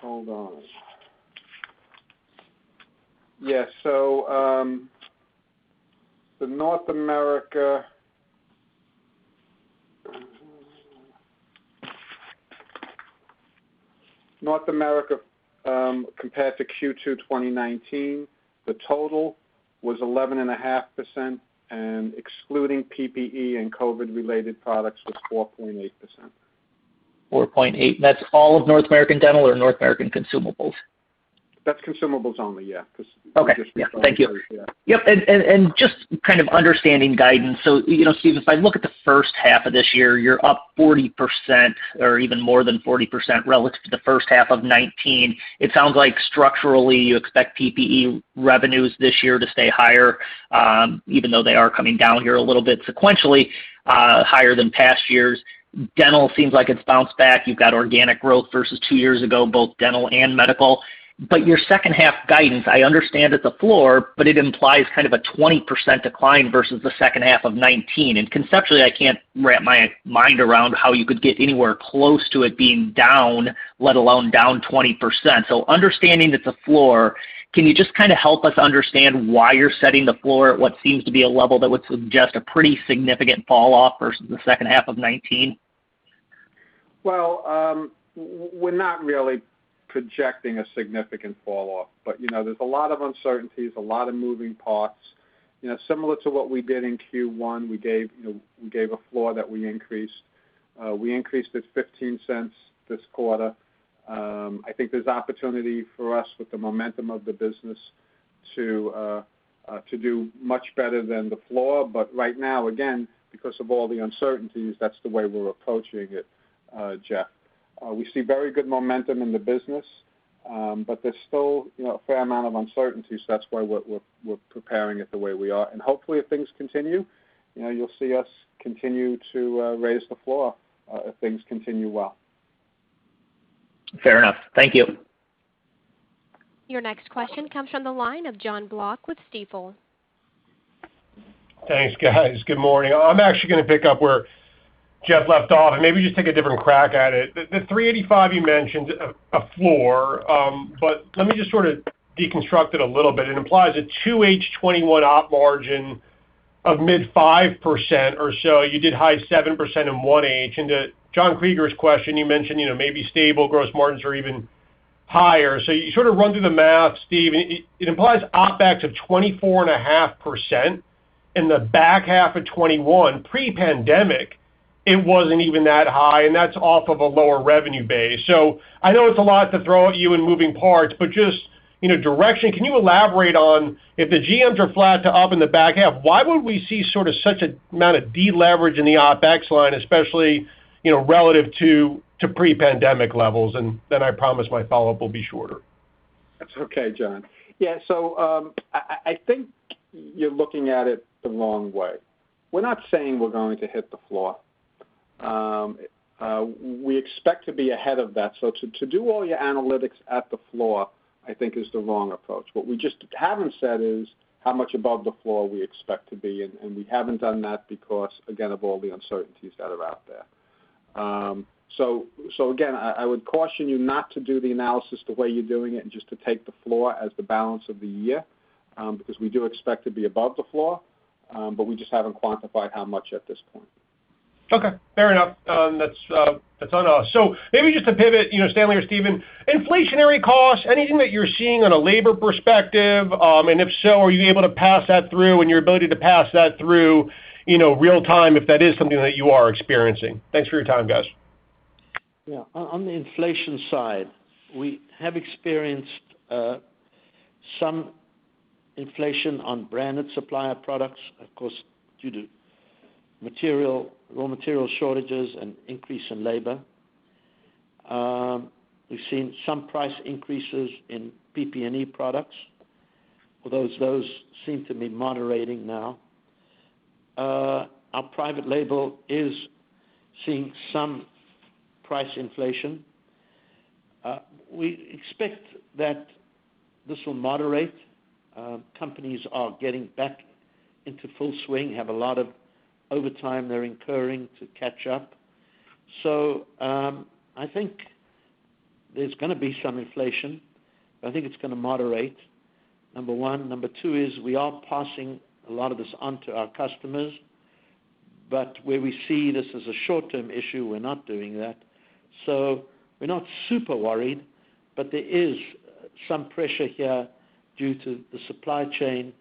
Hold on. Yeah. The North America compared to Q2 2019, the total was 11.5%, and excluding PPE and COVID related products was 4.8%. 4.8%. That's all of North American dental or North American consumables? That's consumables only, yeah. Okay. Yeah. Thank you. Yep. Just kind of understanding guidance. Steven, if I look at the first half of this year, you're up 40% or even more than 40% relative to the first half of 2019. It sounds like structurally, you expect PPE revenues this year to stay higher even though they are coming down here a little bit sequentially higher than past years. Dental seems like it's bounced back. You've got organic growth versus two years ago, both dental and medical. Your second half guidance, I understand it's a floor, but it implies kind of a 20% decline versus the second half of 2019. Conceptually, I can't wrap my mind around how you could get anywhere close to it being down, let alone down 20%. Understanding it's a floor, can you just kind of help us understand why you're setting the floor at what seems to be a level that would suggest a pretty significant fall off versus the second half of 2019? Well, we're not really projecting a significant fall off. There's a lot of uncertainties, a lot of moving parts. Similar to what we did in Q1, we gave a floor that we increased. We increased it $0.15 this quarter. I think there's opportunity for us with the momentum of the business to do much better than the floor. Right now, again, because of all the uncertainties, that's the way we're approaching it, Jeff. We see very good momentum in the business. There's still a fair amount of uncertainty, so that's why we're preparing it the way we are. Hopefully if things continue, you'll see us continue to raise the floor if things continue well. Fair enough. Thank you. Your next question comes from the line of Jon Block with Stifel. Thanks, guys. Good morning. I'm actually going to pick up where Jeff left off and maybe just take a different crack at it. The 385 you mentioned, a floor, but let me just deconstruct it a little bit. It implies a 2H 2021 op margin of mid 5% or so. You did high 7% in 1H. Into Jon Kreger's question, you mentioned maybe stable gross margins or even higher. You run through the math, Steve, it implies OpEx of 24.5% in the back half of 2021. Pre-pandemic, it wasn't even that high, and that's off of a lower revenue base. I know it's a lot to throw at you and moving parts, just direction, can you elaborate on if the GMs are flat to up in the back half, why would we see such amount of deleverage in the OpEx line, especially relative to pre-pandemic levels? I promise my follow-up will be shorter. That's okay, Jon. Yeah. I think you're looking at it the wrong way. We're not saying we're going to hit the floor. We expect to be ahead of that. To do all your analytics at the floor, I think is the wrong approach. What we just haven't said is how much above the floor we expect to be, and we haven't done that because, again, of all the uncertainties that are out there. Again, I would caution you not to do the analysis the way you're doing it and just to take the floor as the balance of the year, because we do expect to be above the floor. We just haven't quantified how much at this point. Okay. Fair enough. That's on us. Maybe just to pivot, Stanley or Steven, inflationary costs, anything that you're seeing on a labor perspective? If so, are you able to pass that through and your ability to pass that through real time if that is something that you are experiencing? Thanks for your time, guys. Yeah. On the inflation side, we have experienced some inflation on branded supplier products, of course, due to raw material shortages and increase in labor. We've seen some price increases in PPE products. Although those seem to be moderating now. Our private label is seeing some price inflation. We expect that this will moderate. Companies are getting back into full swing, have a lot of overtime they're incurring to catch up. I think there's going to be some inflation. I think it's going to moderate, number one. Number two is we are passing a lot of this onto our customers, but where we see this as a short-term issue, we're not doing that. We're not super worried, but there is some pressure here due to the supply chain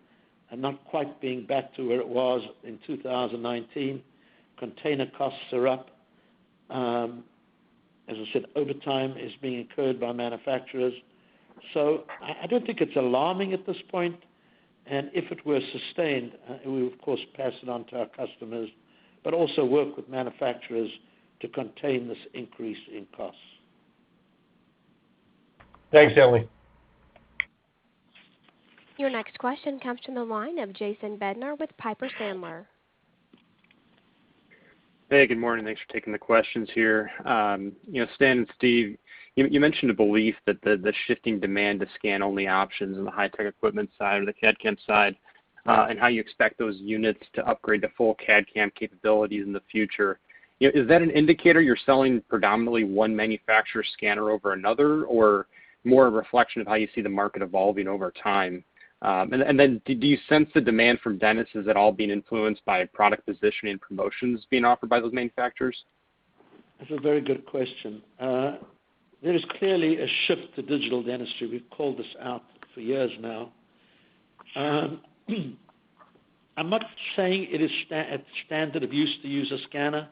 and not quite being back to where it was in 2019. Container costs are up. As I said, overtime is being incurred by manufacturers. I don't think it's alarming at this point, and if it were sustained, we would, of course, pass it on to our customers, but also work with manufacturers to contain this increase in costs. Thanks, Stanley. Your next question comes from the line of Jason Bednar with Piper Sandler. Hey, good morning. Thanks for taking the questions here. Stan and Steve, you mentioned a belief that the shifting demand to scan-only options in the high-tech equipment side or the CAD/CAM side, and how you expect those units to upgrade to full CAD/CAM capabilities in the future. Is that an indicator you're selling predominantly one manufacturer scanner over another, or more a reflection of how you see the market evolving over time? Do you sense the demand from dentists, is it all being influenced by product positioning and promotions being offered by those manufacturers? That's a very good question. There is clearly a shift to digital dentistry. We've called this out for years now. I'm not saying it is standard of use to use a scanner,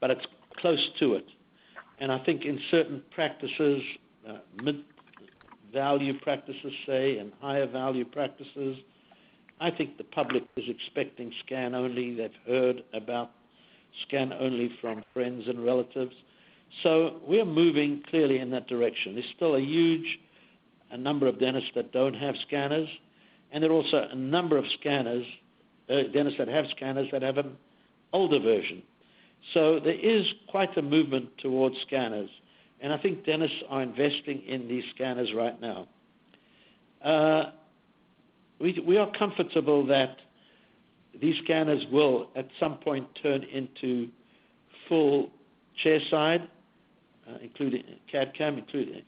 but it's close to it. I think in certain practices, mid-value practices, say, and higher value practices, I think the public is expecting scan only. They've heard about scan only from friends and relatives. We are moving clearly in that direction. There's still a huge number of dentists that don't have scanners, and there are also a number of dentists that have scanners that have an older version. There is quite a movement towards scanners, and I think dentists are investing in these scanners right now. We are comfortable that these scanners will, at some point, turn into full chairside, including CAD/CAM,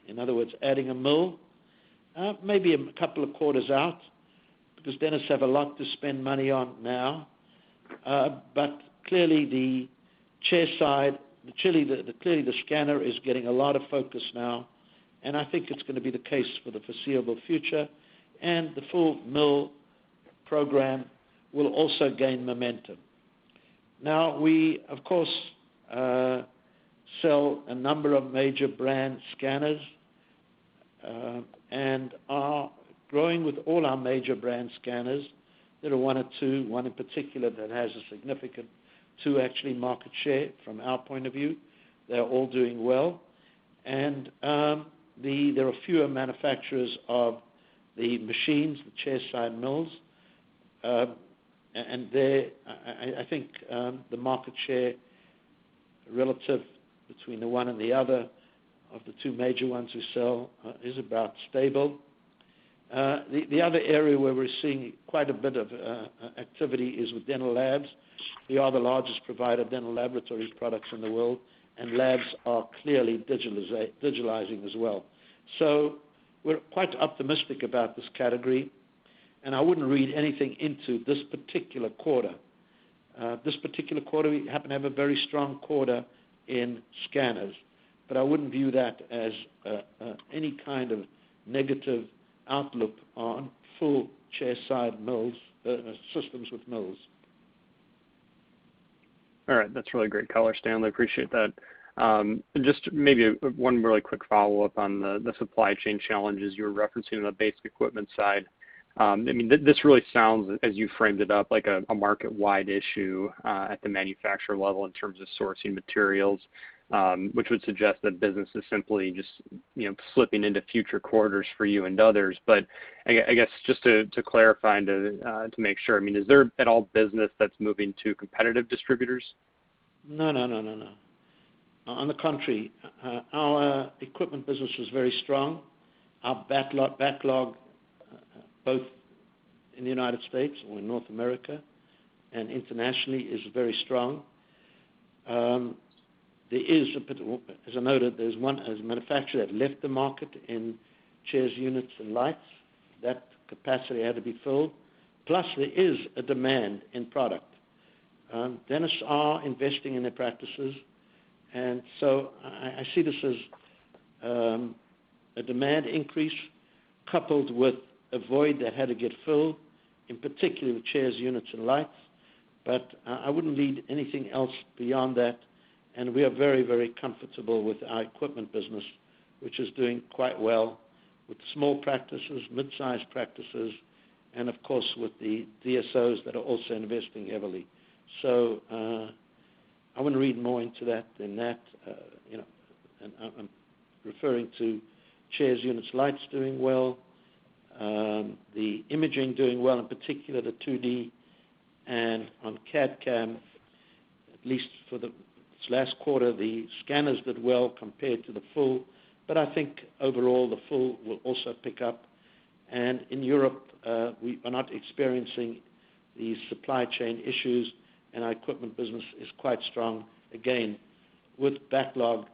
in other words, adding a mill. Maybe a couple of quarters out. The scanners have a lot to spend money on now. Clearly the scanner is getting a lot of focus now, and I think it's going to be the case for the foreseeable future, and the full mill program will also gain momentum. We, of course, sell a number of major brand scanners, and are growing with all our major brand scanners. There are one or two, one in particular that has a significant two actually market share from our point of view. They're all doing well. There are fewer manufacturers of the machines, the chairside mills. There, I think the market share relative between the one and the other of the two major ones we sell is about stable. The other area where we're seeing quite a bit of activity is with dental labs. We are the largest provider of dental laboratory products in the world, and labs are clearly digitalizing as well. We're quite optimistic about this category, and I wouldn't read anything into this particular quarter. This particular quarter, we happen to have a very strong quarter in scanners, but I wouldn't view that as any kind of negative outlook on full chairside mills, systems with mills. All right. That's really great color, Stan. I appreciate that. Just maybe one really quick follow-up on the supply chain challenges you were referencing on the basic equipment side. This really sounds, as you framed it up, like a market-wide issue at the manufacturer level in terms of sourcing materials, which would suggest that business is simply just slipping into future quarters for you and others. I guess just to clarify and to make sure, is there at all business that's moving to competitive distributors? No. On the contrary, our equipment business was very strong. Our backlog, both in the U.S. or in North America and internationally, is very strong. As I noted, there's 1 manufacturer that left the market in chairs, units, and lights. That capacity had to be filled. There is a demand in product. Dentists are investing in their practices, and so I see this as a demand increase coupled with a void that had to get filled, in particular with chairs, units, and lights. I wouldn't read anything else beyond that, and we are very, very comfortable with our equipment business, which is doing quite well with small practices, mid-size practices, and of course, with the DSOs that are also investing heavily. I wouldn't read more into that than that. I'm referring to chairs, units, lights doing well, the imaging doing well, in particular the 2D, on CAD/CAM, at least for this last quarter, the scanners did well compared to the full. I think overall, the full will also pick up. In Europe, we are not experiencing these supply chain issues, and our equipment business is quite strong, again, with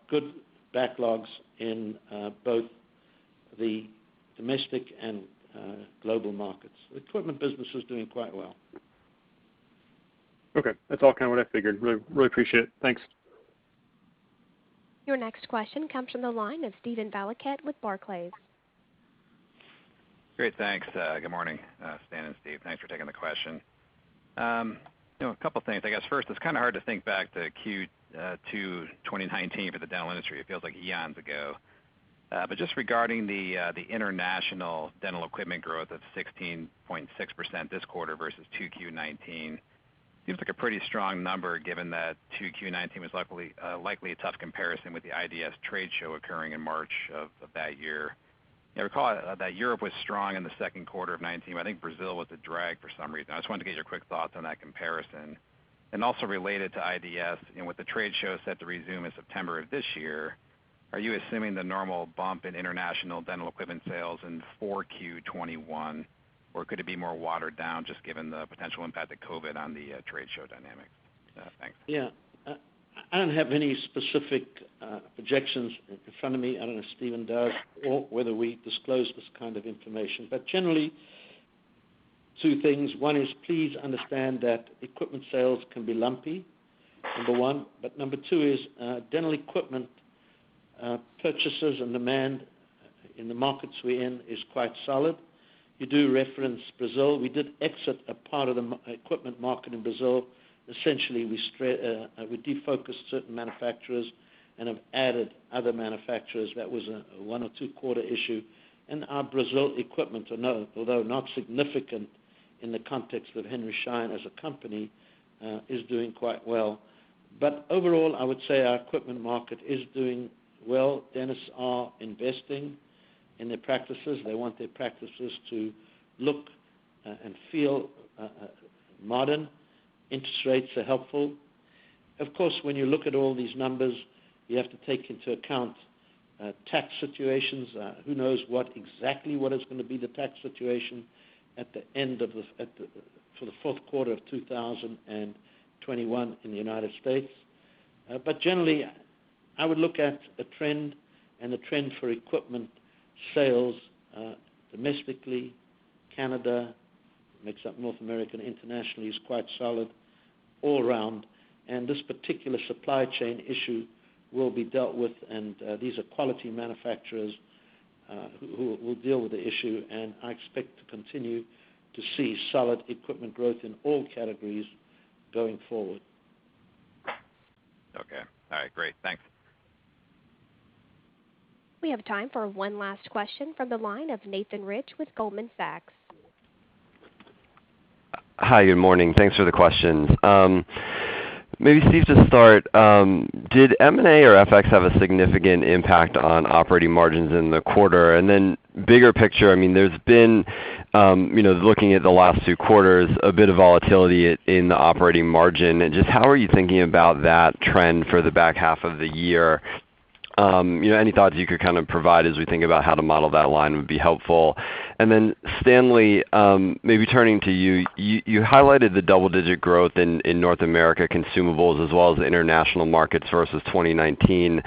good backlogs in both the domestic and global markets. The equipment business is doing quite well. Okay. That's all what I figured. Really appreciate it. Thanks. Your next question comes from the line of Steven Valiquette with Barclays. Great. Thanks. Good morning, Stanley and Steven. Thanks for taking the question. Two things. I guess first, it's hard to think back to Q2 2019 for the dental industry. It feels like eons ago. Just regarding the international dental equipment growth of 16.6% this quarter versus 2Q 2019, seems like a pretty strong number given that 2Q '19 was likely a tough comparison with the IDS trade show occurring in March of that year. I recall that Europe was strong in the second quarter of 2019, but I think Brazil was a drag for some reason. I just wanted to get your quick thoughts on that comparison. Also related to IDS, and with the trade show set to resume in September of this year, are you assuming the normal bump in international dental equipment sales in 4Q 2021, or could it be more watered down just given the potential impact of COVID on the trade show dynamic? Thanks. I don't have any specific projections in front of me. I don't know if Steven does or whether we disclose this kind of information. Generally, two things. One is please understand that equipment sales can be lumpy, number one, but number two is dental equipment purchases and demand in the markets we're in is quite solid. You do reference Brazil. We did exit a part of the equipment market in Brazil. Essentially, we defocused certain manufacturers and have added other manufacturers. That was a one or two-quarter issue. Our Brazil equipment, although not significant in the context of Henry Schein as a company, is doing quite well. Overall, I would say our equipment market is doing well. Dentists are investing in their practices. They want their practices to look and feel modern. Interest rates are helpful. Of course, when you look at all these numbers, you have to take into account tax situations. Who knows exactly what is going to be the tax situation for the fourth quarter of 2021 in the United States. Generally, I would look at a trend, the trend for equipment sales domestically, Canada, makes up North America and internationally, is quite solid all around. This particular supply chain issue will be dealt with, these are quality manufacturers who will deal with the issue, I expect to continue to see solid equipment growth in all categories going forward. Okay. All right. Great. Thanks. We have time for one last question from the line of Nathan Rich with Goldman Sachs. Hi, good morning. Thanks for the questions. Maybe Steve to start, did M&A or FX have a significant impact on operating margins in the quarter? Bigger picture, there's been, looking at the last two quarters, a bit of volatility in the operating margin. Just how are you thinking about that trend for the back half of the year? Any thoughts you could provide as we think about how to model that line would be helpful. Stanley, maybe turning to you. You highlighted the double-digit growth in North America consumables as well as international market sources 2019.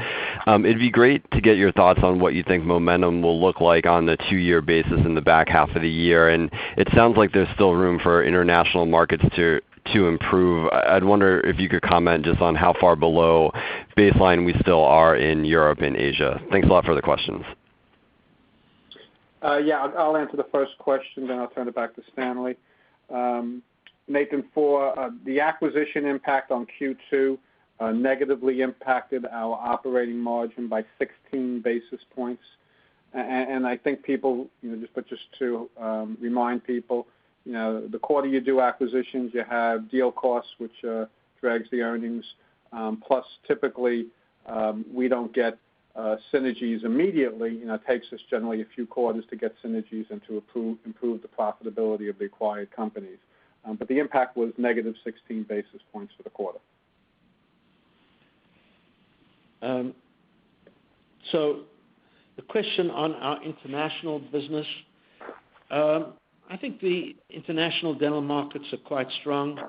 It'd be great to get your thoughts on what you think momentum will look like on the two-year basis in the back half of the year. It sounds like there's still room for international markets to improve. I'd wonder if you could comment just on how far below baseline we still are in Europe and Asia. Thanks a lot for the questions. Yeah, I'll answer the first question, then I'll turn it back to Stanley. Nathan, the acquisition impact on Q2 negatively impacted our operating margin by 16 basis points. I think just to remind people, the quarter you do acquisitions, you have deal costs, which drags the earnings. Plus typically, we don't get synergies immediately. It takes us generally a few quarters to get synergies and to improve the profitability of the acquired companies. The impact was negative 16 basis points for the quarter. The question on our international business. I think the international dental markets are quite strong.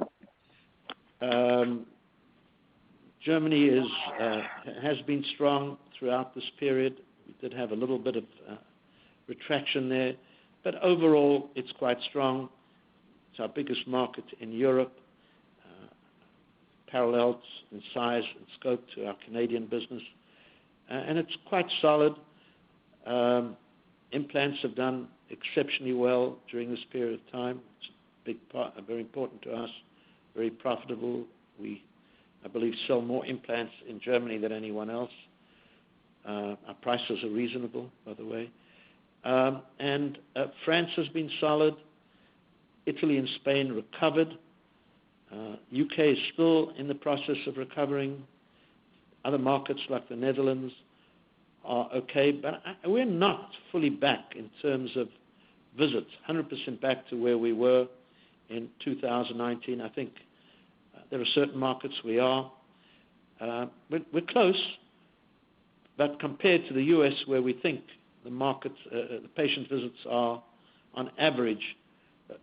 Germany has been strong throughout this period. We did have a little bit of retraction there, but overall it's quite strong. It's our biggest market in Europe, parallels in size and scope to our Canadian business. It's quite solid. Implants have done exceptionally well during this period of time. It's a very important to us, very profitable. We, I believe, sell more implants in Germany than anyone else. Our prices are reasonable, by the way. France has been solid. Italy and Spain recovered. U.K. is still in the process of recovering. Other markets like the Netherlands are okay, but we're not fully back in terms of visits, 100% back to where we were in 2019. I think there are certain markets we are. We're close, compared to the U.S. where we think the patient visits are, on average,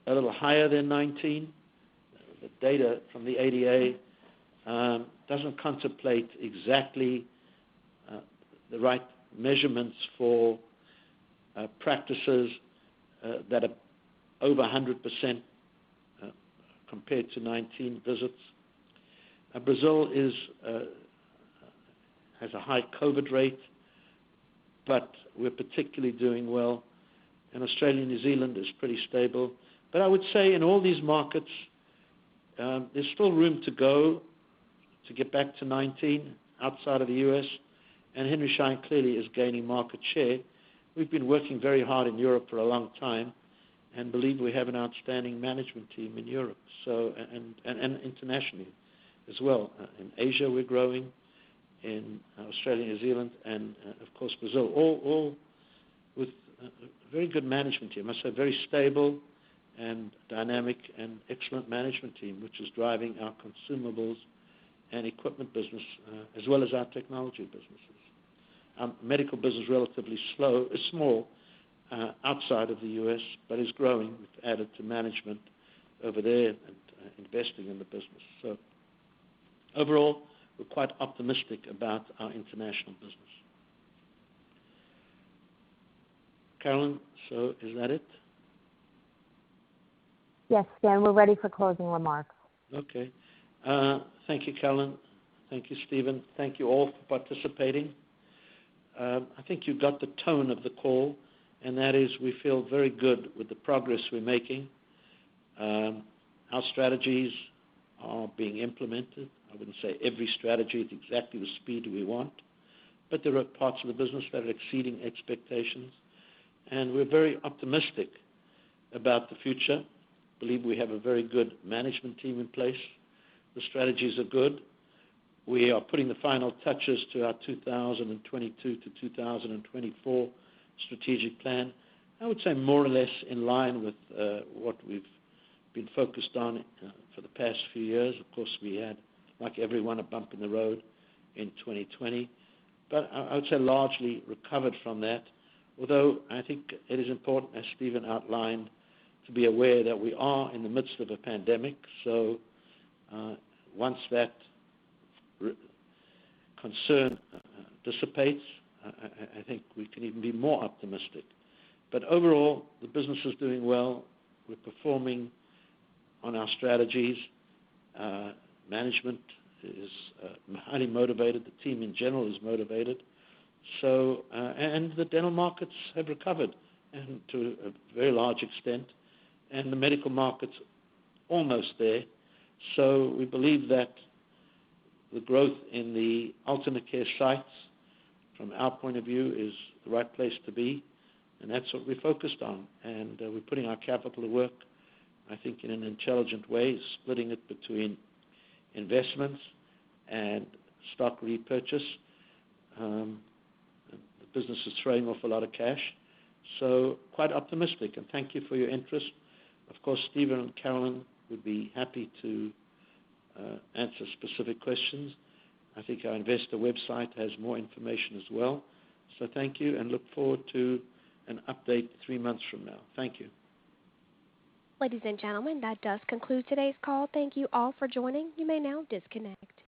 a little higher than 2019. The data from the ADA doesn't contemplate exactly the right measurements for practices that are over 100% compared to 2019 visits. Brazil has a high COVID rate, we're particularly doing well, and Australia and New Zealand is pretty stable. I would say in all these markets, there's still room to go to get back to 2019 outside of the U.S., and Henry Schein clearly is gaining market share. We've been working very hard in Europe for a long time and believe we have an outstanding management team in Europe, and internationally as well. In Asia, we're growing, in Australia, New Zealand, and of course Brazil. All with very good management team. I must say, very stable and dynamic and excellent management team, which is driving our consumables and equipment business, as well as our technology businesses. Our medical business is relatively small outside of the U.S., but is growing. We've added to management over there and investing in the business. Overall, we're quite optimistic about our international business. Carolynne, is that it? Yes, Stan. We're ready for closing remarks. Okay. Thank you, Carolynne. Thank you, Steven. Thank you all for participating. I think you got the tone of the call, and that is, we feel very good with the progress we're making. Our strategies are being implemented. I wouldn't say every strategy at exactly the speed we want, but there are parts of the business that are exceeding expectations. We're very optimistic about the future. We believe we have a very good management team in place. The strategies are good. We are putting the final touches to our 2022-2024 strategic plan. I would say more or less in line with what we've been focused on for the past few years. Of course, we had, like everyone, a bump in the road in 2020, but I would say largely recovered from that. I think it is important, as Steven outlined, to be aware that we are in the midst of a pandemic. Once that concern dissipates, I think we can even be more optimistic. Overall, the business is doing well. We're performing on our strategies. Management is highly motivated. The team in general is motivated. The dental markets have recovered to a very large extent, and the medical market's almost there. We believe that the growth in the alternate care sites from our point of view is the right place to be, and that's what we're focused on. We're putting our capital to work, I think in an intelligent way, splitting it between investments and stock repurchase. The business is throwing off a lot of cash, so quite optimistic, and thank you for your interest. Of course, Steven and Carolynne would be happy to answer specific questions. I think our investor website has more information as well. Thank you, and look forward to an update three months from now. Thank you. Ladies and gentlemen, that does conclude today's call. Thank you all for joining. You may now disconnect.